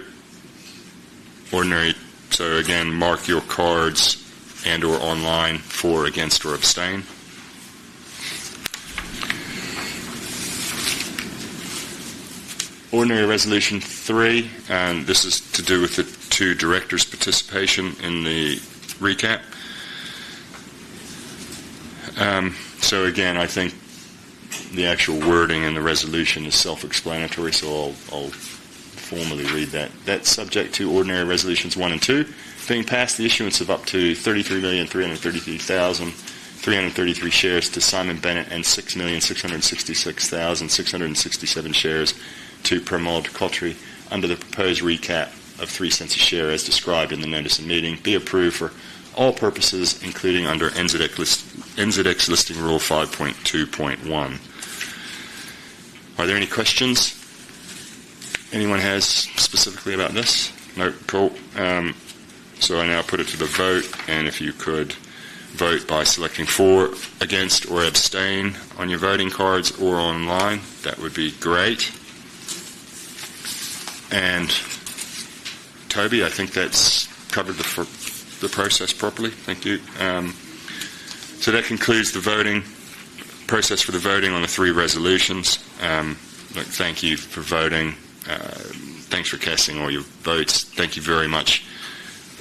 ordinary. Again, mark your cards and/or online for, against, or abstain. Ordinary resolution three, this is to do with the two directors' participation in the recap. I think the actual wording in the resolution is self-explanatory, so I'll formally read that. Subject to ordinary resolutions one and two being passed, the issuance of up to 33,333,333 shares to Simon Bennett and 6,666,667 shares to Pramod Khatri under the proposed recap at 0.03 a share, as described in the notice of meeting, be approved for all purposes, including under NZX listing rule 5.2.1. Are there any questions anyone has specifically about this? No, cool. I now put it to the vote, and if you could vote by selecting for, against, or abstain on your voting cards or online, that would be great. Toby, I think that covered the process properly. Thank you. That concludes the voting process for the voting on the three resolutions. Thank you for voting. Thanks for casting all your votes. Thank you very much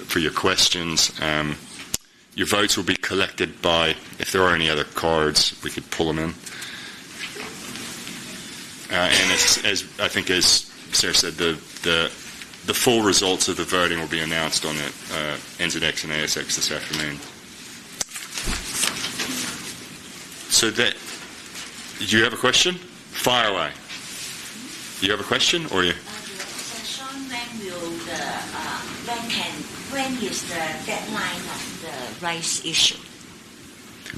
for your questions. Your votes will be collected. If there are any other cards, we could pull them in. As I think, as Sarah said, the full results of the voting will be announced on NZX and ASX this afternoon. You have a question? Fire away. You have a question or you? I do. Shawn mentioned the law can, when is the deadline of the rights issue?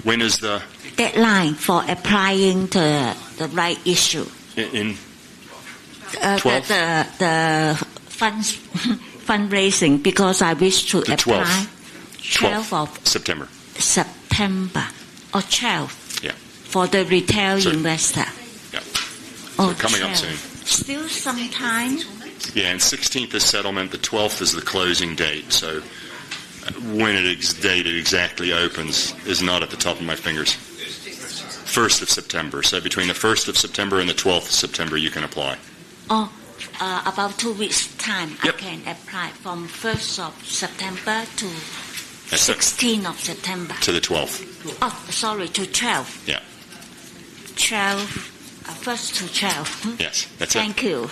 When is the? The deadline for applying to the rights issue? In? The fundraising, because I wish to apply. 12th of September. September or 12th. Yeah. For the retail investor. Yeah, it's coming up soon. Still some time. Yeah, and 16th is settlement. The 12th is the closing date. When it exactly opens is not at the top of my fingers. 1st of September. Between the 1st of September and the 12th of September, you can apply. About two weeks' time, I can apply from 1st of September to 16th of September. To the 12th. Oh, sorry, to 12th. Yeah. 12th, 1st to 12th. Yes, that's it. Thank you.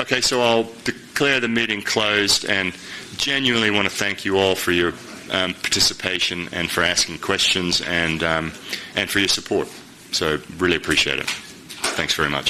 Okay, I'll declare the meeting closed and genuinely want to thank you all for your participation, for asking questions, and for your support. I really appreciate it. Thanks very much.